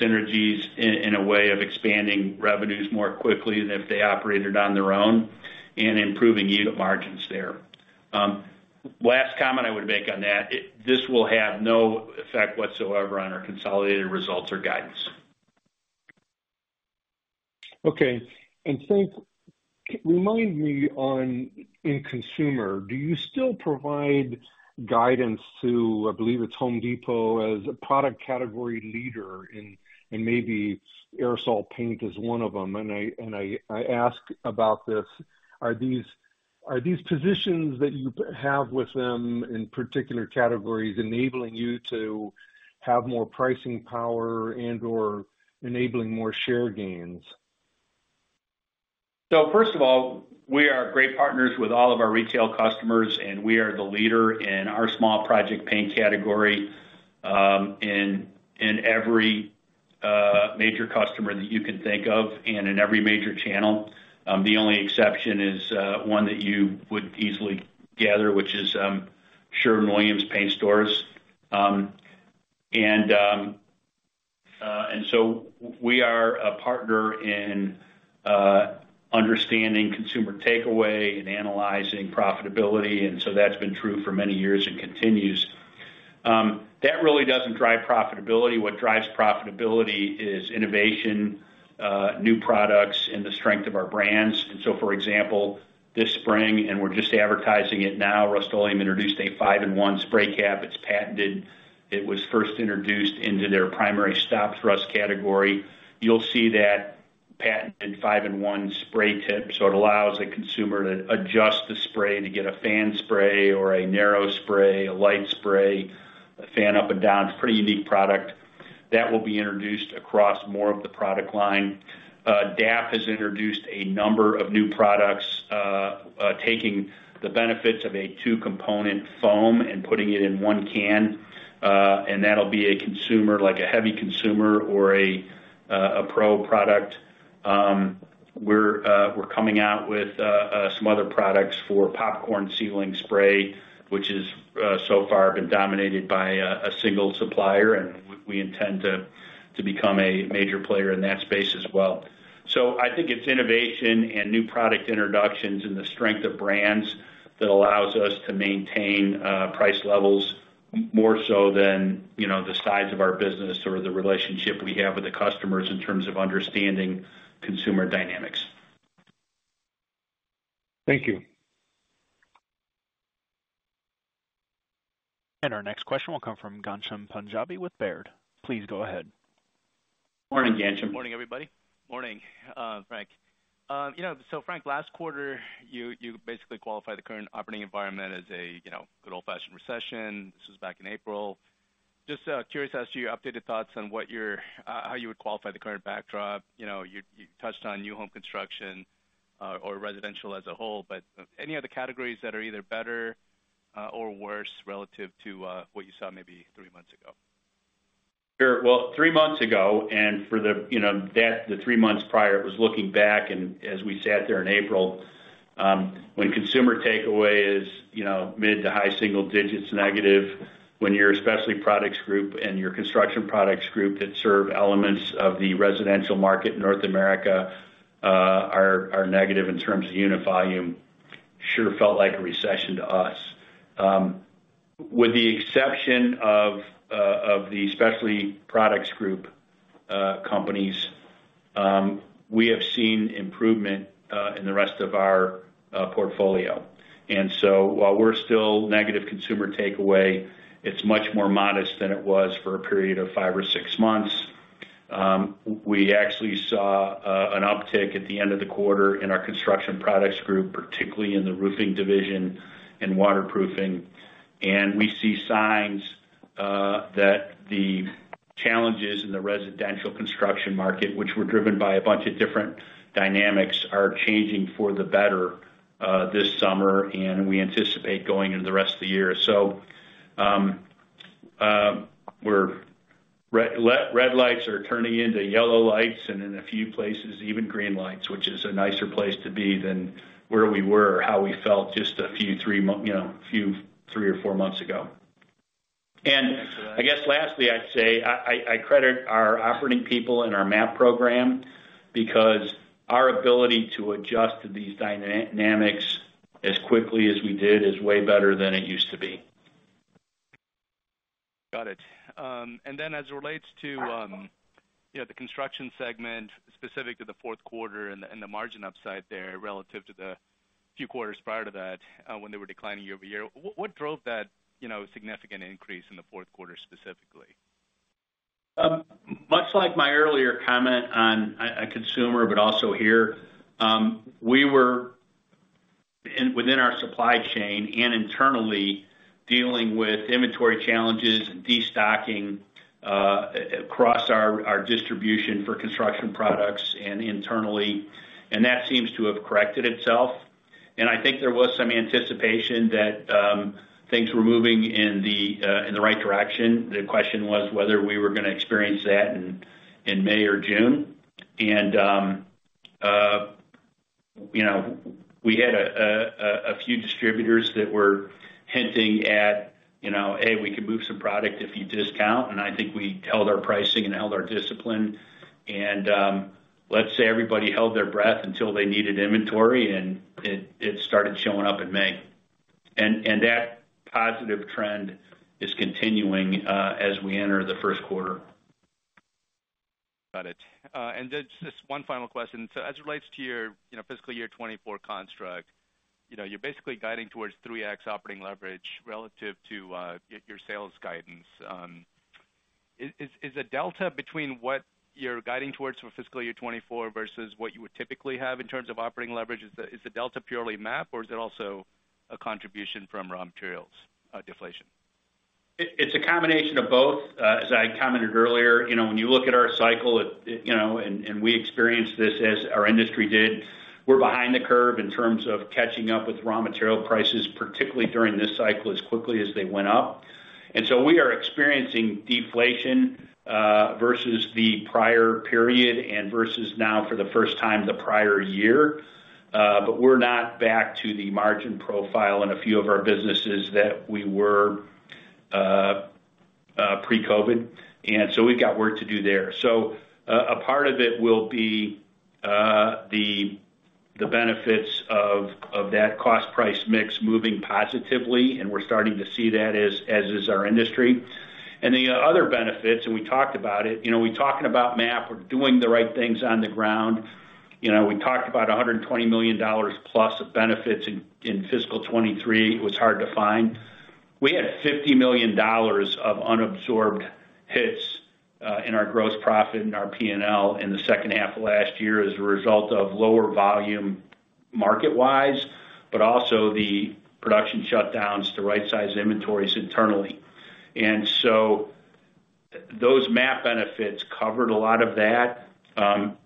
synergies in a way of expanding revenues more quickly than if they operated on their own and improving unit margins there. Last comment I would make on that, this will have no effect whatsoever on our consolidated results or guidance. Okay. Frank, remind me on, in consumer, do you still provide guidance to, I believe it's Home Depot, as a product category leader in maybe aerosol paint as one of them? I ask about this: are these positions that you have with them in particular categories, enabling you to have more pricing power and/or enabling more share gains? First of all, we are great partners with all of our retail customers, and we are the leader in our small project paint category, in every major customer that you can think of and in every major channel. The only exception is one that you would easily gather, which is Sherwin-Williams Paint Stores. We are a partner in understanding consumer takeaway and analyzing profitability, that's been true for many years and continues. That really doesn't drive profitability. What drives profitability is innovation, new products, and the strength of our brands. For example, this spring, and we're just advertising it now, Rust-Oleum introduced a 5-in-1 spray cap. It's patented. It was first introduced into their primary stop rust category. You'll see that... patented 5-in-1 spray tip, so it allows a consumer to adjust the spray to get a fan spray or a narrow spray, a light spray, a fan up and down. It's a pretty unique product. That will be introduced across more of the product line. DAP has introduced a number of new products, taking the benefits of a two-component foam and putting it in one can, and that'll be a consumer, like a heavy consumer or a pro product. We're coming out with some other products for popcorn ceiling spray, which has so far been dominated by a single supplier, and we intend to become a major player in that space as well. I think it's innovation and new product introductions and the strength of brands that allows us to maintain price levels more so than, you know, the size of our business or the relationship we have with the customers in terms of understanding consumer dynamics. Thank you. Our next question will come from Ghansham Panjabi with Baird. Please go ahead. Morning, Ghansham. Morning, everybody. Morning, Frank. You know, Frank, last quarter, you basically qualified the current operating environment as a, you know, good old-fashioned recession. This was back in April. Just curious as to your updated thoughts on how you would qualify the current backdrop. You know, you touched on new home construction, or residential as a whole, but any other categories that are either better or worse relative to what you saw maybe three months ago? Sure. Well, three months ago, for the, you know, that, the three months prior, it was looking back and as we sat there in April, when consumer takeaway is, you know, mid to high single digits negative, when your Specialty Products Group and your Construction Products Group that serve elements of the residential market in North America, are negative in terms of unit volume, sure felt like a recession to us. With the exception of the Specialty Products Group companies, we have seen improvement in the rest of our portfolio. While we're still negative consumer takeaway, it's much more modest than it was for a period of five or six months. We actually saw an uptick at the end of the quarter in our Construction Products Group, particularly in the roofing division and waterproofing. We see signs that the challenges in the residential construction market, which were driven by a bunch of different dynamics, are changing for the better this summer, and we anticipate going into the rest of the year. Red lights are turning into yellow lights, and in a few places, even green lights, which is a nicer place to be than where we were or how we felt just a few three you know, a few three or four months ago. Thanks for that. I guess lastly, I'd say I credit our operating people and our MAP program because our ability to adjust to these dynamics as quickly as we did, is way better than it used to be. Got it. As it relates to, you know, the Construction segment, specific to the fourth quarter and the margin upside there relative to the few quarters prior to that, when they were declining year-over-year, what drove that, you know, significant increase in the fourth quarter specifically? Much like my earlier comment on consumer, but also here, we were within our supply chain and internally dealing with inventory challenges and destocking across our distribution for construction products and internally, that seems to have corrected itself. I think there was some anticipation that things were moving in the right direction. The question was whether we were gonna experience that in May or June. You know, we had a few distributors that were hinting at, you know, "Hey, we could move some product if you discount," and I think we held our pricing and held our discipline. Let's say everybody held their breath until they needed inventory, and it started showing up in May. That positive trend is continuing, as we enter the first quarter. Got it. Just one final question. As it relates to your, you know, fiscal year 2024 construct, you know, you're basically guiding towards 3x operating leverage relative to your sales guidance. Is the delta between what you're guiding towards for fiscal year 2024 versus what you would typically have in terms of operating leverage, is the delta purely MAP, or is it also a contribution from raw materials deflation? It's a combination of both. As I commented earlier, you know, when you look at our cycle, it, you know. We experienced this as our industry did. We're behind the curve in terms of catching up with raw material prices, particularly during this cycle, as quickly as they went up. We are experiencing deflation versus the prior period and versus now for the first time, the prior year. We're not back to the margin profile in a few of our businesses that we were pre-COVID, and so we've got work to do there. A part of it will be the benefits of that cost price mix moving positively, and we're starting to see that, as is our industry. The other benefits, we talked about it, you know, we're talking about MAP, we're doing the right things on the ground. You know, we talked about $120 million plus of benefits in fiscal 2023, was hard to find. We had $50 million of unabsorbed hits in our gross profit in our PNL in the second half of last year as a result of lower volume market-wise, but also the production shutdowns to right-size inventories internally. Those MAP benefits covered a lot of that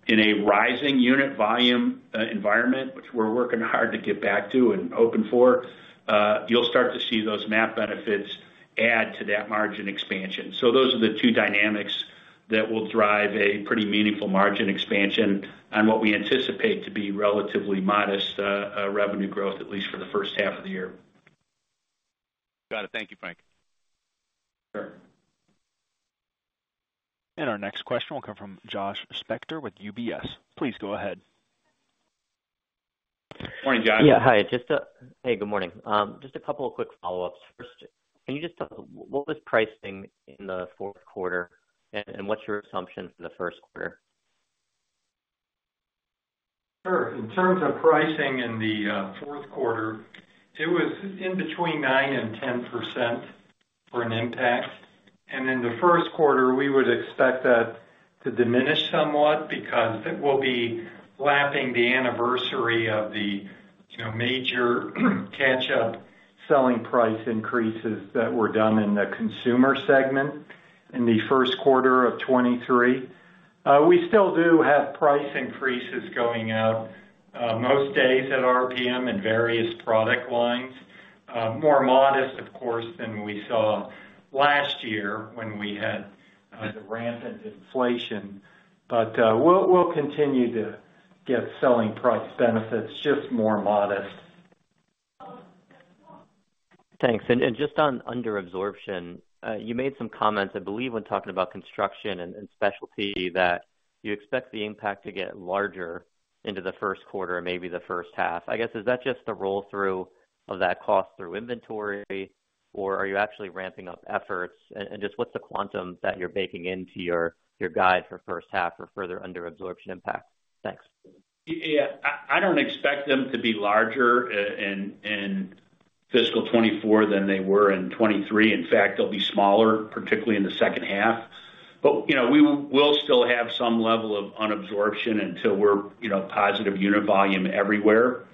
in a rising unit volume environment, which we're working hard to get back to and hoping for, you'll start to see those MAP benefits add to that margin expansion. Those are the two dynamics that will drive a pretty meaningful margin expansion on what we anticipate to be relatively modest revenue growth, at least for the first half of the year. Got it. Thank you, Frank. Sure. Our next question will come from Josh Spector with UBS. Please go ahead. Morning, Josh. Yeah, hi, just. Hey, good morning. Just a couple of quick follow-ups. First, can you just talk, what was pricing in the fourth quarter, and what's your assumption for the first quarter? Sure. In terms of pricing in the fourth quarter, it was in between 9%-10% for an impact. In the first quarter, we would expect that to diminish somewhat because it will be lapping the anniversary of the, you know, major catch-up selling price increases that were done in the consumer segment in the first quarter of 2023. We still do have price increases going out, most days at RPM in various product lines. More modest, of course, than we saw last year when we had the rampant inflation. We'll, we'll continue to get selling price benefits, just more modest. Thanks. Just on under absorption, you made some comments, I believe, when talking about construction and specialty, that you expect the impact to get larger into the first quarter, maybe the first half. I guess, is that just a roll-through of that cost through inventory, or are you actually ramping up efforts? Just what's the quantum that you're baking into your guide for first half or further under absorption impact? Thanks. Yeah, I don't expect them to be larger in fiscal 2024 than they were in 2023. They'll be smaller, particularly in the second half. You know, we'll still have some level of unabsorption until we're, you know, positive unit volume everywhere.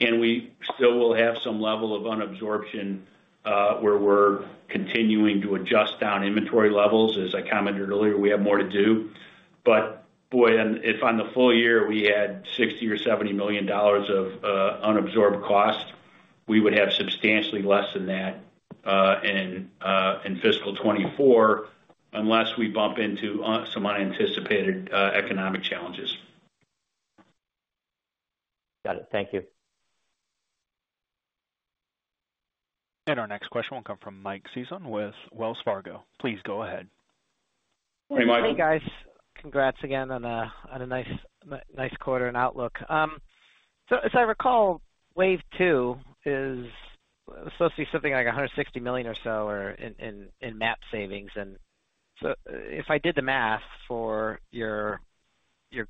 We still will have some level of unabsorption where we're continuing to adjust down inventory levels. As I commented earlier, we have more to do. Boy, if on the full year, we had $60 million or $70 million of unabsorbed cost, we would have substantially less than that in fiscal 2024, unless we bump into some unanticipated economic challenges. Got it. Thank you. Our next question will come from Mike Sison with Wells Fargo. Please go ahead. Hey, Mike. Hey, guys. Congrats again on a nice quarter and outlook. As I recall, wave two is supposed to be something like $160 million or so, or in MAP savings. If I did the math for your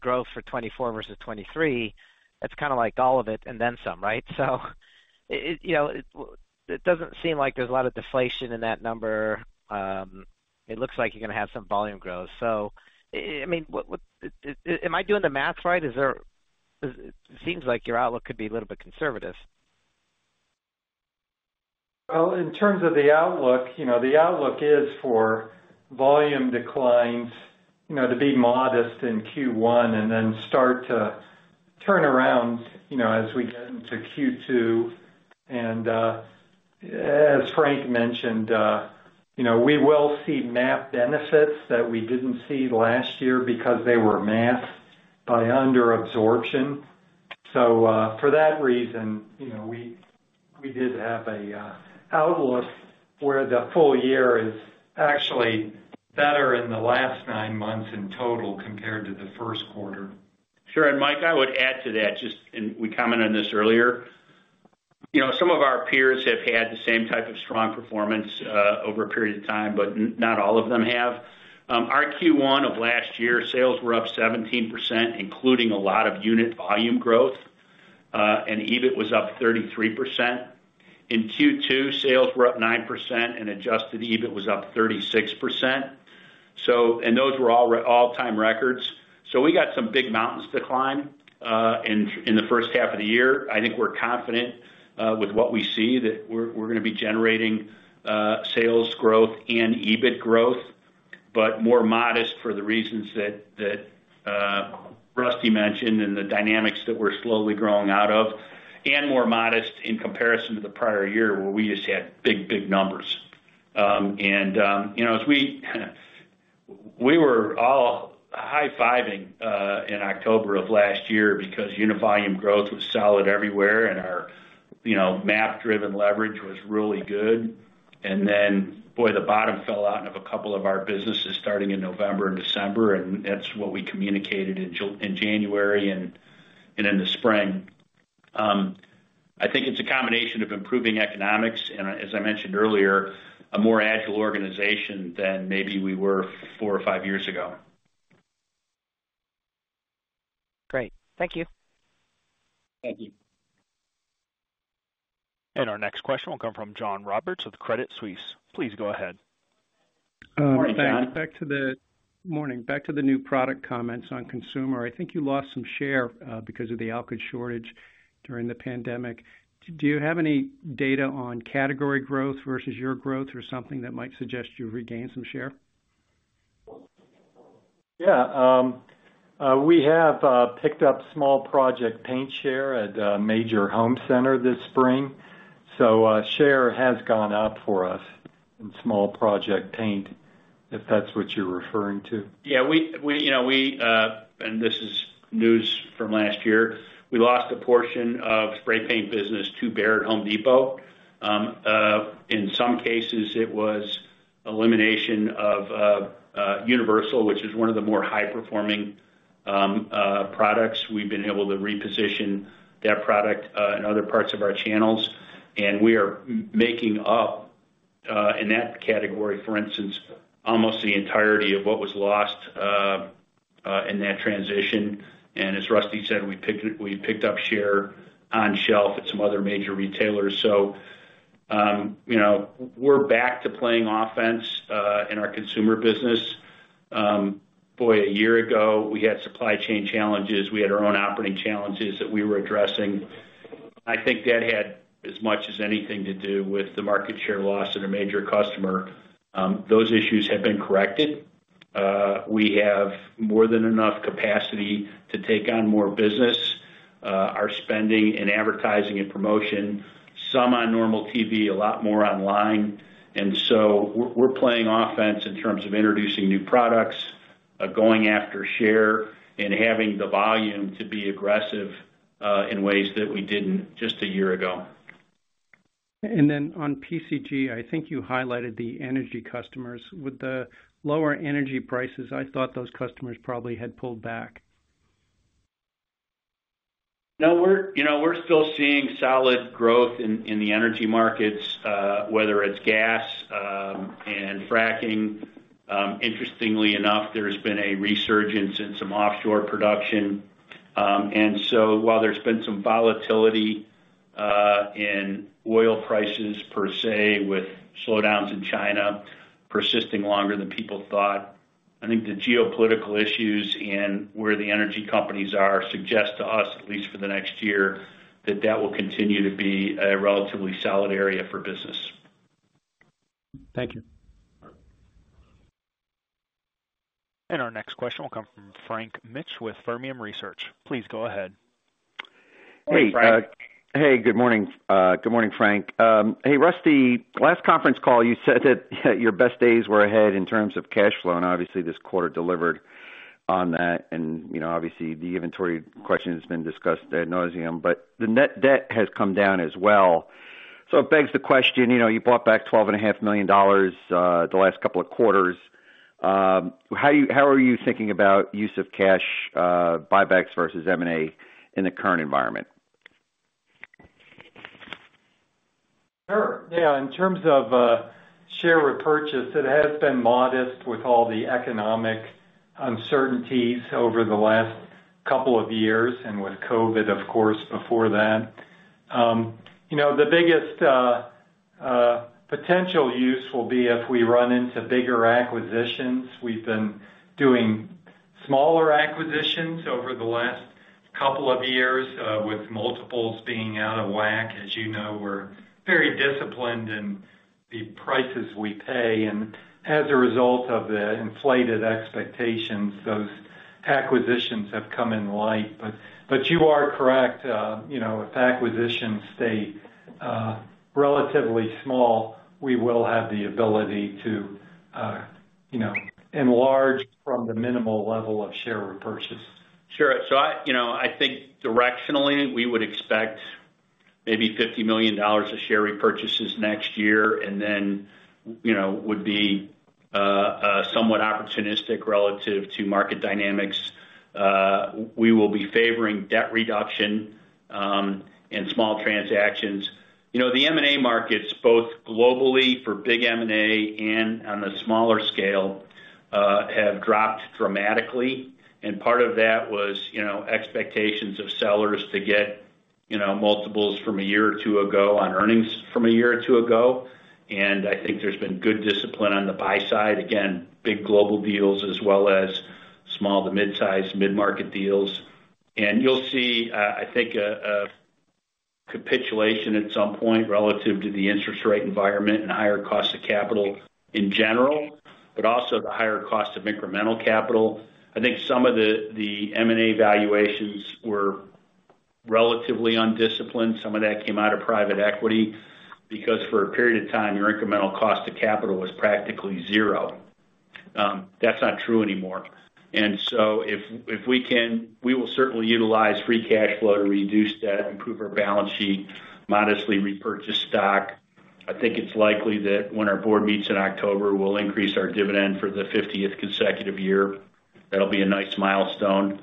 growth for 2024 versus 2023, that's kind of like all of it and then some, right? It, you know, it doesn't seem like there's a lot of deflation in that number. It looks like you're gonna have some volume growth. I mean, what, am I doing the math right? Is there, it seems like your outlook could be a little bit conservative. Well, in terms of the outlook, you know, the outlook is for volume declines, you know, to be modest in Q1 and then start to turn around, you know, as we get into Q2. As Frank mentioned, you know, we will see MAP benefits that we didn't see last year because they were masked by under absorption. For that reason, you know, we did have an outlook where the full year is actually better in the last nine months in total compared to the first quarter. Sure. Mike, I would add to that, just, and we commented on this earlier. You know, some of our peers have had the same type of strong performance over a period of time, but not all of them have. Our Q1 of last year, sales were up 17%, including a lot of unit volume growth, and EBIT was up 33%. In Q2, sales were up 9% and adjusted EBIT was up 36%. Those were all all-time records. We got some big mountains to climb in the first half of the year. I think we're confident, with what we see, that we're gonna be generating sales growth and EBIT growth, but more modest for the reasons that Rusty mentioned and the dynamics that we're slowly growing out of, and more modest in comparison to the prior year, where we just had big numbers. You know, as we were all high-fiving in October of last year because unit volume growth was solid everywhere, and our, you know, MAP-driven leverage was really good. Boy, the bottom fell out of a couple of our businesses starting in November and December, and that's what we communicated in January and in the spring. I think it's a combination of improving economics, and as I mentioned earlier, a more agile organization than maybe we were four or five years ago.... Great. Thank you. Thank you. Our next question will come from John Roberts with Credit Suisse. Please go ahead. Good morning, John. Back to the morning. Back to the new product comments on Consumer. I think you lost some share because of the alkyd shortage during the pandemic. Do you have any data on category growth versus your growth, or something that might suggest you regained some share? Yeah, we have picked up small project paint share at a major home center this spring, so, share has gone up for us in small project paint, if that's what you're referring to. Yeah, we, you know, we, and this is news from last year: we lost a portion of spray paint business to Barrett Home Depot. In some cases, it was elimination of Universal, which is one of the more high performing products. We've been able to reposition that product in other parts of our channels, we are making up in that category, for instance, almost the entirety of what was lost in that transition. As Rusty said, we picked up share on shelf at some other major retailers. You know, we're back to playing offense in our Consumer business. Boy, a year ago, we had supply chain challenges. We had our own operating challenges that we were addressing. I think that had as much as anything to do with the market share loss at a major customer. Those issues have been corrected. We have more than enough capacity to take on more business. Our spending in advertising and promotion, some on normal TV, a lot more online. We're playing offense in terms of introducing new products, going after share, and having the volume to be aggressive in ways that we didn't just a year ago. On PCG, I think you highlighted the energy customers. With the lower energy prices, I thought those customers probably had pulled back. No, we're, you know, we're still seeing solid growth in the energy markets, whether it's gas, and fracking. Interestingly enough, there's been a resurgence in some offshore production. While there's been some volatility in oil prices per se, with slowdowns in China persisting longer than people thought, I think the geopolitical issues in where the energy companies are, suggest to us, at least for the next year, that that will continue to be a relatively solid area for business. Thank you. Our next question will come from Frank Mitsch with Fermium Research. Please go ahead. Hey, Frank. Hey, good morning. Good morning, Frank. Hey, Rusty, last conference call, you said that your best days were ahead in terms of cash flow, and obviously this quarter delivered on that. You know, obviously, the inventory question has been discussed ad nauseam, but the net debt has come down as well. It begs the question, you know, you bought back $12.5 million the last couple of quarters, how are you thinking about use of cash, buybacks versus M&A in the current environment? Sure. Yeah, in terms of share repurchase, it has been modest with all the economic uncertainties over the last couple of years, and with COVID, of course, before that. You know, the biggest potential use will be if we run into bigger acquisitions. We've been doing smaller acquisitions over the last couple of years, with multiples being out of whack. As you know, we're very disciplined in the prices we pay. As a result of the inflated expectations, those acquisitions have come in light. You are correct, you know, if acquisitions stay relatively small, we will have the ability to, you know, enlarge from the minimal level of share repurchase. Sure. I, you know, I think directionally, we would expect maybe $50 million of share repurchases next year, and then, you know, would be somewhat opportunistic relative to market dynamics. We will be favoring debt reduction, and small transactions. You know, the M&A markets, both globally for big M&A and on the smaller scale, have dropped dramatically, and part of that was, you know, expectations of sellers to get, you know, multiples from a year or two ago on earnings from a year or two ago. I think there's been good discipline on the buy side. Again, big global deals, as well as small to mid-size, mid-market deals. You'll see, I think, a capitulation at some point relative to the interest rate environment and higher costs of capital in general, but also the higher cost of incremental capital. I think some of the M&A valuations were relatively undisciplined. Some of that came out of private equity, because for a period of time, your incremental cost to capital was practically 0. That's not true anymore. If, if we can, we will certainly utilize free cash flow to reduce debt, improve our balance sheet, modestly repurchase stock. I think it's likely that when our board meets in October, we'll increase our dividend for the 50th consecutive year. That'll be a nice milestone.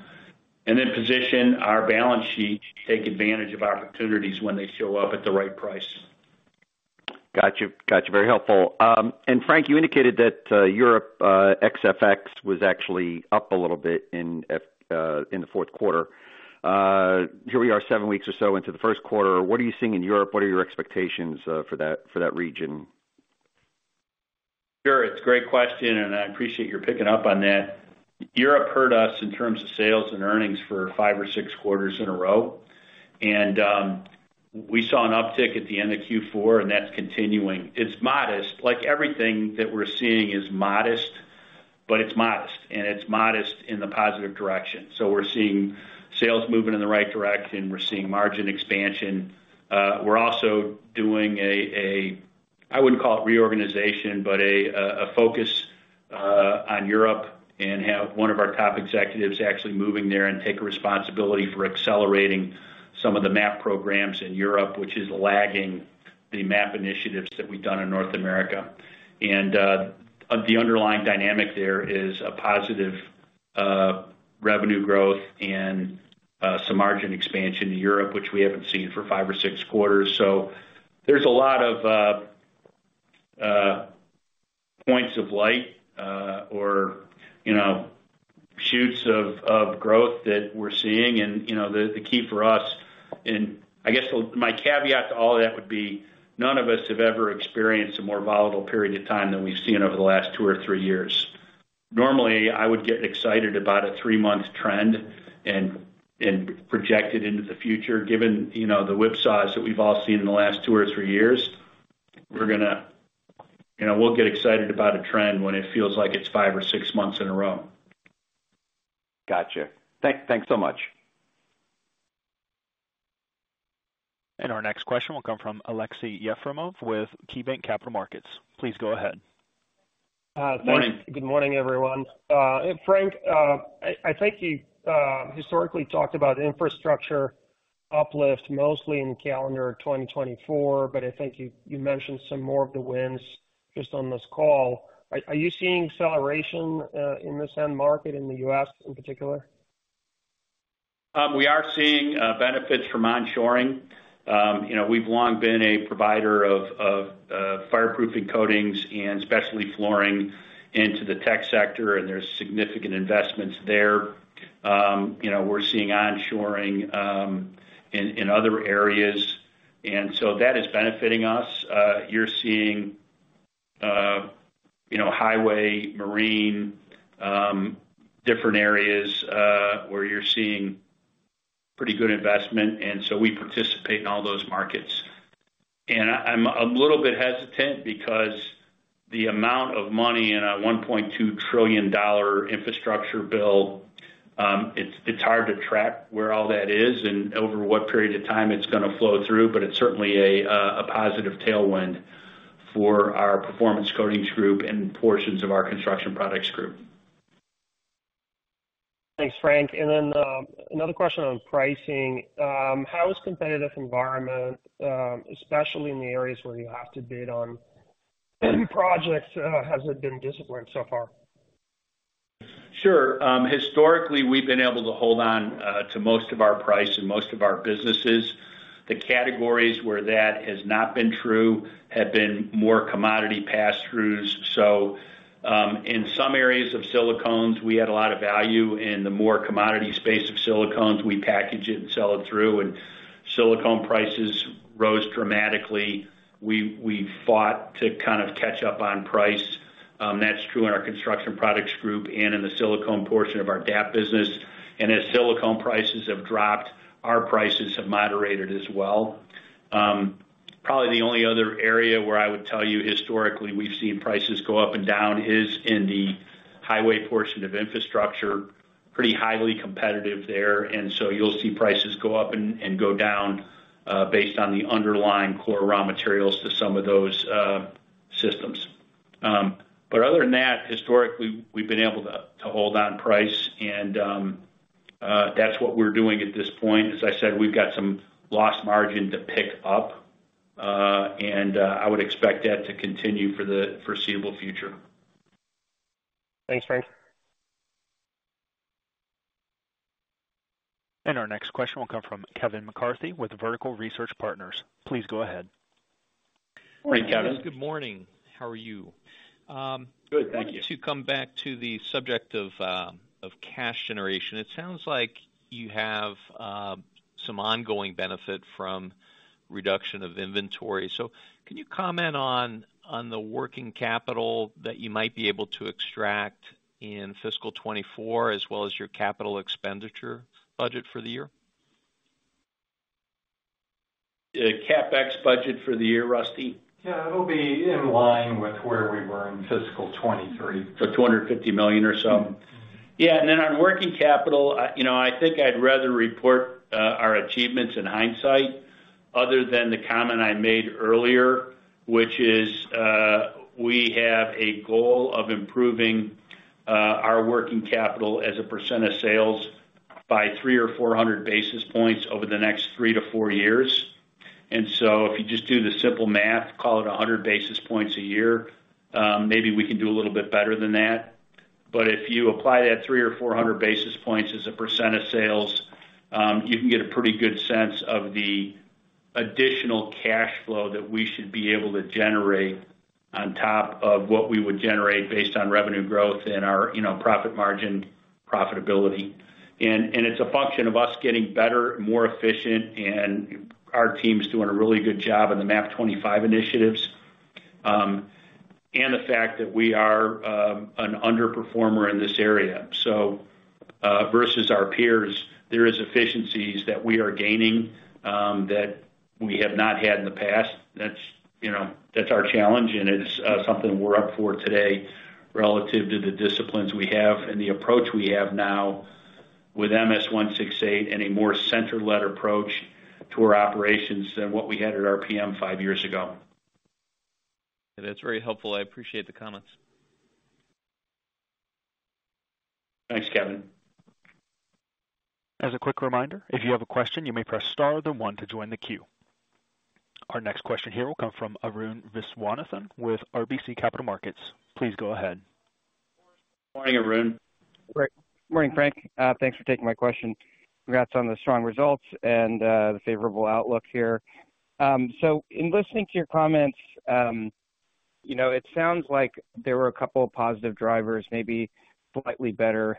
Position our balance sheet to take advantage of opportunities when they show up at the right price. Gotcha, gotcha. Very helpful. Frank, you indicated that Europe FX was actually up a little bit in the fourth quarter. Here we are, seven weeks or so into the first quarter, what are you seeing in Europe? What are your expectations for that region? Sure. It's a great question. I appreciate you picking up on that. Europe hurt us in terms of sales and earnings for five or six quarters in a row. We saw an uptick at the end of Q4. That's continuing. It's modest, like everything that we're seeing is modest, but it's modest, and it's modest in the positive direction. We're seeing sales moving in the right direction. We're seeing margin expansion. We're also doing a, I wouldn't call it reorganization, but a focus on Europe. We have one of our top executives actually moving there and take responsibility for accelerating some of the MAP programs in Europe, which is lagging the MAP initiatives that we've done in North America. The underlying dynamic there is a positive revenue growth and some margin expansion in Europe, which we haven't seen for five or six quarters. There's a lot of points of light or, you know, shoots of growth that we're seeing. You know, the key for us, and I guess my caveat to all of that would be, none of us have ever experienced a more volatile period of time than we've seen over the last two or three years. Normally, I would get excited about a three-month trend and project it into the future. Given, you know, the whipsaws that we've all seen in the last two or three years, we're gonna. You know, we'll get excited about a trend when it feels like it's five or six months in a row. Gotcha. Thanks so much. Our next question will come from Aleksey Yefremov, with KeyBanc Capital Markets. Please go ahead. Morning. Good morning, everyone. Frank, I think you historically talked about infrastructure uplift, mostly in calendar 2024, but I think you mentioned some more of the wins just on this call. Are, are you seeing acceleration in this end market, in the U.S. in particular? We are seeing benefits from onshoring. You know, we've long been a provider of fireproofing coatings and specialty flooring into the tech sector, and there's significant investments there. You know, we're seeing onshoring in other areas, so that is benefiting us. You're seeing, you know, highway, marine, different areas, where you're seeing pretty good investment, so we participate in all those markets. I'm a little bit hesitant because the amount of money in a $1.2 trillion infrastructure bill, it's hard to track where all that is and over what period of time it's gonna flow through, but it's certainly a positive tailwind for our Performance Coatings Group and portions of our Construction Products Group. Thanks, Frank. Another question on pricing. How is competitive environment, especially in the areas where you have to bid on projects, has it been disciplined so far? Sure. Historically, we've been able to hold on to most of our price in most of our businesses. The categories where that has not been true have been more commodity pass-throughs. In some areas of silicones, we had a lot of value, and the more commodity space of silicones, we package it and sell it through, and silicone prices rose dramatically. We fought to kind of catch up on price. That's true in our Construction Products Group and in the silicone portion of our DAP business. As silicone prices have dropped, our prices have moderated as well. Probably the only other area where I would tell you historically, we've seen prices go up and down is in the highway portion of infrastructure. Pretty highly competitive there. You'll see prices go up and go down, based on the underlying core raw materials to some of those, systems. Other than that, historically, we've been able to hold on price, and that's what we're doing at this point. As I said, we've got some lost margin to pick up, and I would expect that to continue for the foreseeable future. Thanks, Frank. Our next question will come from Kevin McCarthy with Vertical Research Partners. Please go ahead. Morning, Kevin. Good morning. How are you? Good. Thank you. To come back to the subject of cash generation, it sounds like you have some ongoing benefit from reduction of inventory. Can you comment on the working capital that you might be able to extract in fiscal 2024, as well as your capital expenditure budget for the year? The CapEx budget for the year, Rusty? Yeah. It'll be in line with where we were in fiscal 2023. $250 million or so. On working capital, you know, I think I'd rather report our achievements in hindsight, other than the comment I made earlier, which is, we have a goal of improving our working capital as a percent of sales by 300 or 400 basis points over the next three to four years. If you just do the simple math, call it 100 basis points a year, maybe we can do a little bit better than that. If you apply that 300 or 400 basis points as a percent of sales, you can get a pretty good sense of the additional cash flow that we should be able to generate on top of what we would generate based on revenue growth and our, you know, profit margin profitability. It's a function of us getting better, more efficient, and our team's doing a really good job in the MAP 25 initiatives, and the fact that we are an underperformer in this area. Versus our peers, there is efficiencies that we are gaining that we have not had in the past. That's, you know, that's our challenge, and it's something we're up for today relative to the disciplines we have and the approach we have now with MS-168 and a more center-led approach to our operations than what we had at RPM 5 years ago. That's very helpful. I appreciate the comments. Thanks, Kevin. As a quick reminder, if you have a question, you may press star, then one to join the queue. Our next question here will come from Arun Viswanathan with RBC Capital Markets. Please go ahead. Morning, Arun. Great. Morning, Frank. Thanks for taking my question. Congrats on the strong results and the favorable outlook here. In listening to your comments, you know, it sounds like there were a couple of positive drivers, maybe slightly better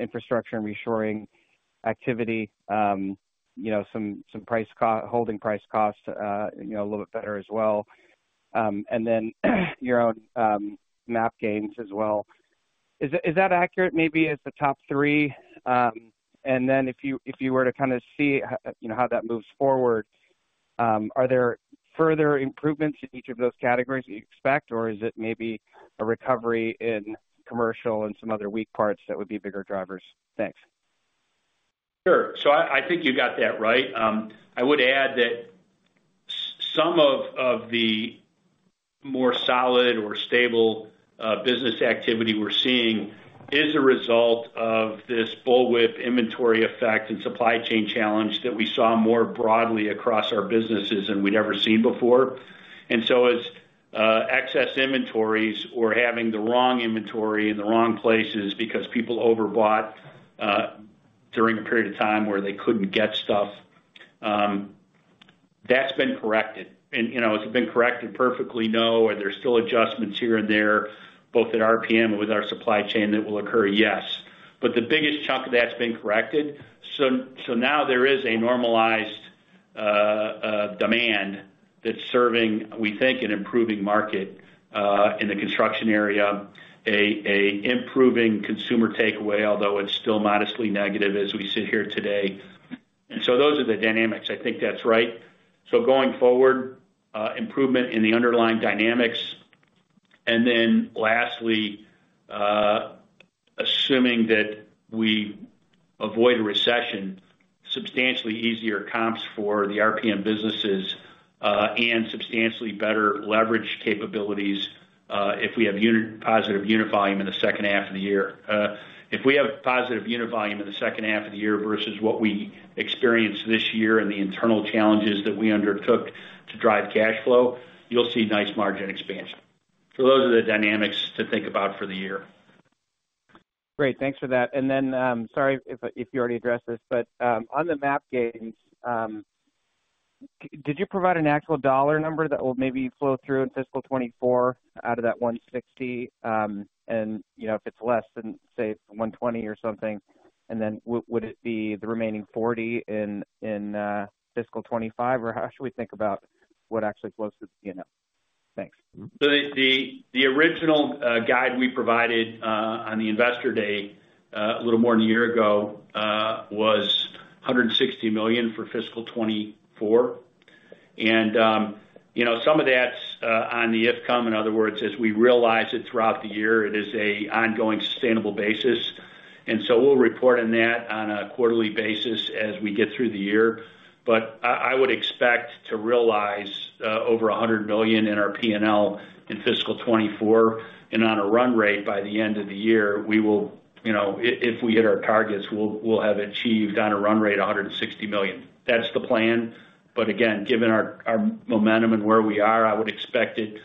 infrastructure and reshoring activity, you know, some price holding price costs, you know, a little bit better as well, and then your own MAP gains as well. Is that accurate, maybe as the top 3? Then if you, if you were to kinda see, you know, how that moves forward, are there further improvements in each of those categories you expect, or is it maybe a recovery in commercial and some other weak parts that would be bigger drivers? Thanks. Sure. I think you got that right. I would add that some of the more solid or stable business activity we're seeing is a result of this bullwhip inventory effect and supply chain challenge that we saw more broadly across our businesses than we'd ever seen before. As excess inventories or having the wrong inventory in the wrong places because people overbought during a period of time where they couldn't get stuff, that's been corrected. You know, has it been corrected perfectly? No, and there's still adjustments here and there, both at RPM and with our supply chain that will occur, yes. The biggest chunk of that's been corrected. Now there is a normalized demand that's serving, we think, an improving market in the construction area, a improving consumer takeaway, although it's still modestly negative as we sit here today. Those are the dynamics. I think that's right. Going forward, improvement in the underlying dynamics. Lastly, assuming that we avoid a recession, substantially easier comps for the RPM businesses, and substantially better leverage capabilities, if we have positive unit volume in the second half of the year. If we have positive unit volume in the second half of the year versus what we experienced this year and the internal challenges that we undertook to drive cash flow, you'll see nice margin expansion. Those are the dynamics to think about for the year. Great, thanks for that. Sorry if you already addressed this, but on the MAP gains, did you provide an actual dollar number that will maybe flow through in fiscal 2024 out of that $160? You know, if it's less than, say, $120 or something, would it be the remaining $40 in fiscal 2025, or how should we think about what actually flows to the PNL? Thanks. The original guide we provided on the Investor Day a little more than a year ago was $160 million for fiscal 2024. You know, some of that's on the if come, in other words, as we realize it throughout the year, it is an ongoing, sustainable basis. We'll report on that on a quarterly basis as we get through the year. I would expect to realize over $100 million in our P&L in fiscal 2024, and on a run rate by the end of the year, we will, you know, if we hit our targets, we'll have achieved on a run rate, $160 million. That's the plan. Again, given our momentum and where we are, I would expect it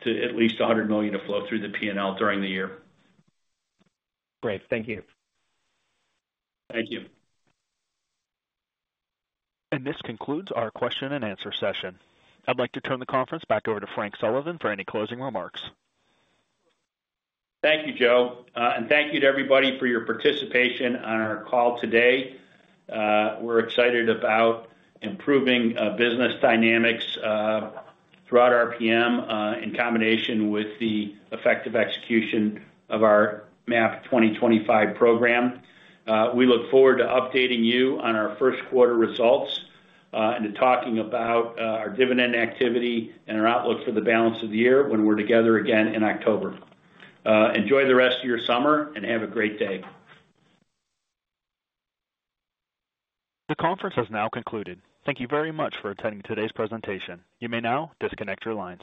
to at least $100 million to flow through the P&L during the year. Great. Thank you. Thank you. This concludes our question and answer session. I'd like to turn the conference back over to Frank Sullivan for any closing remarks. Thank you, Joe. Thank you to everybody for your participation on our call today. We're excited about improving business dynamics throughout RPM in combination with the effective execution of our MAP 2025 program. We look forward to updating you on our first quarter results, and to talking about our dividend activity and our outlook for the balance of the year when we're together again in October. Enjoy the rest of your summer, and have a great day. The conference has now concluded. Thank you very much for attending today's presentation. You may now disconnect your lines.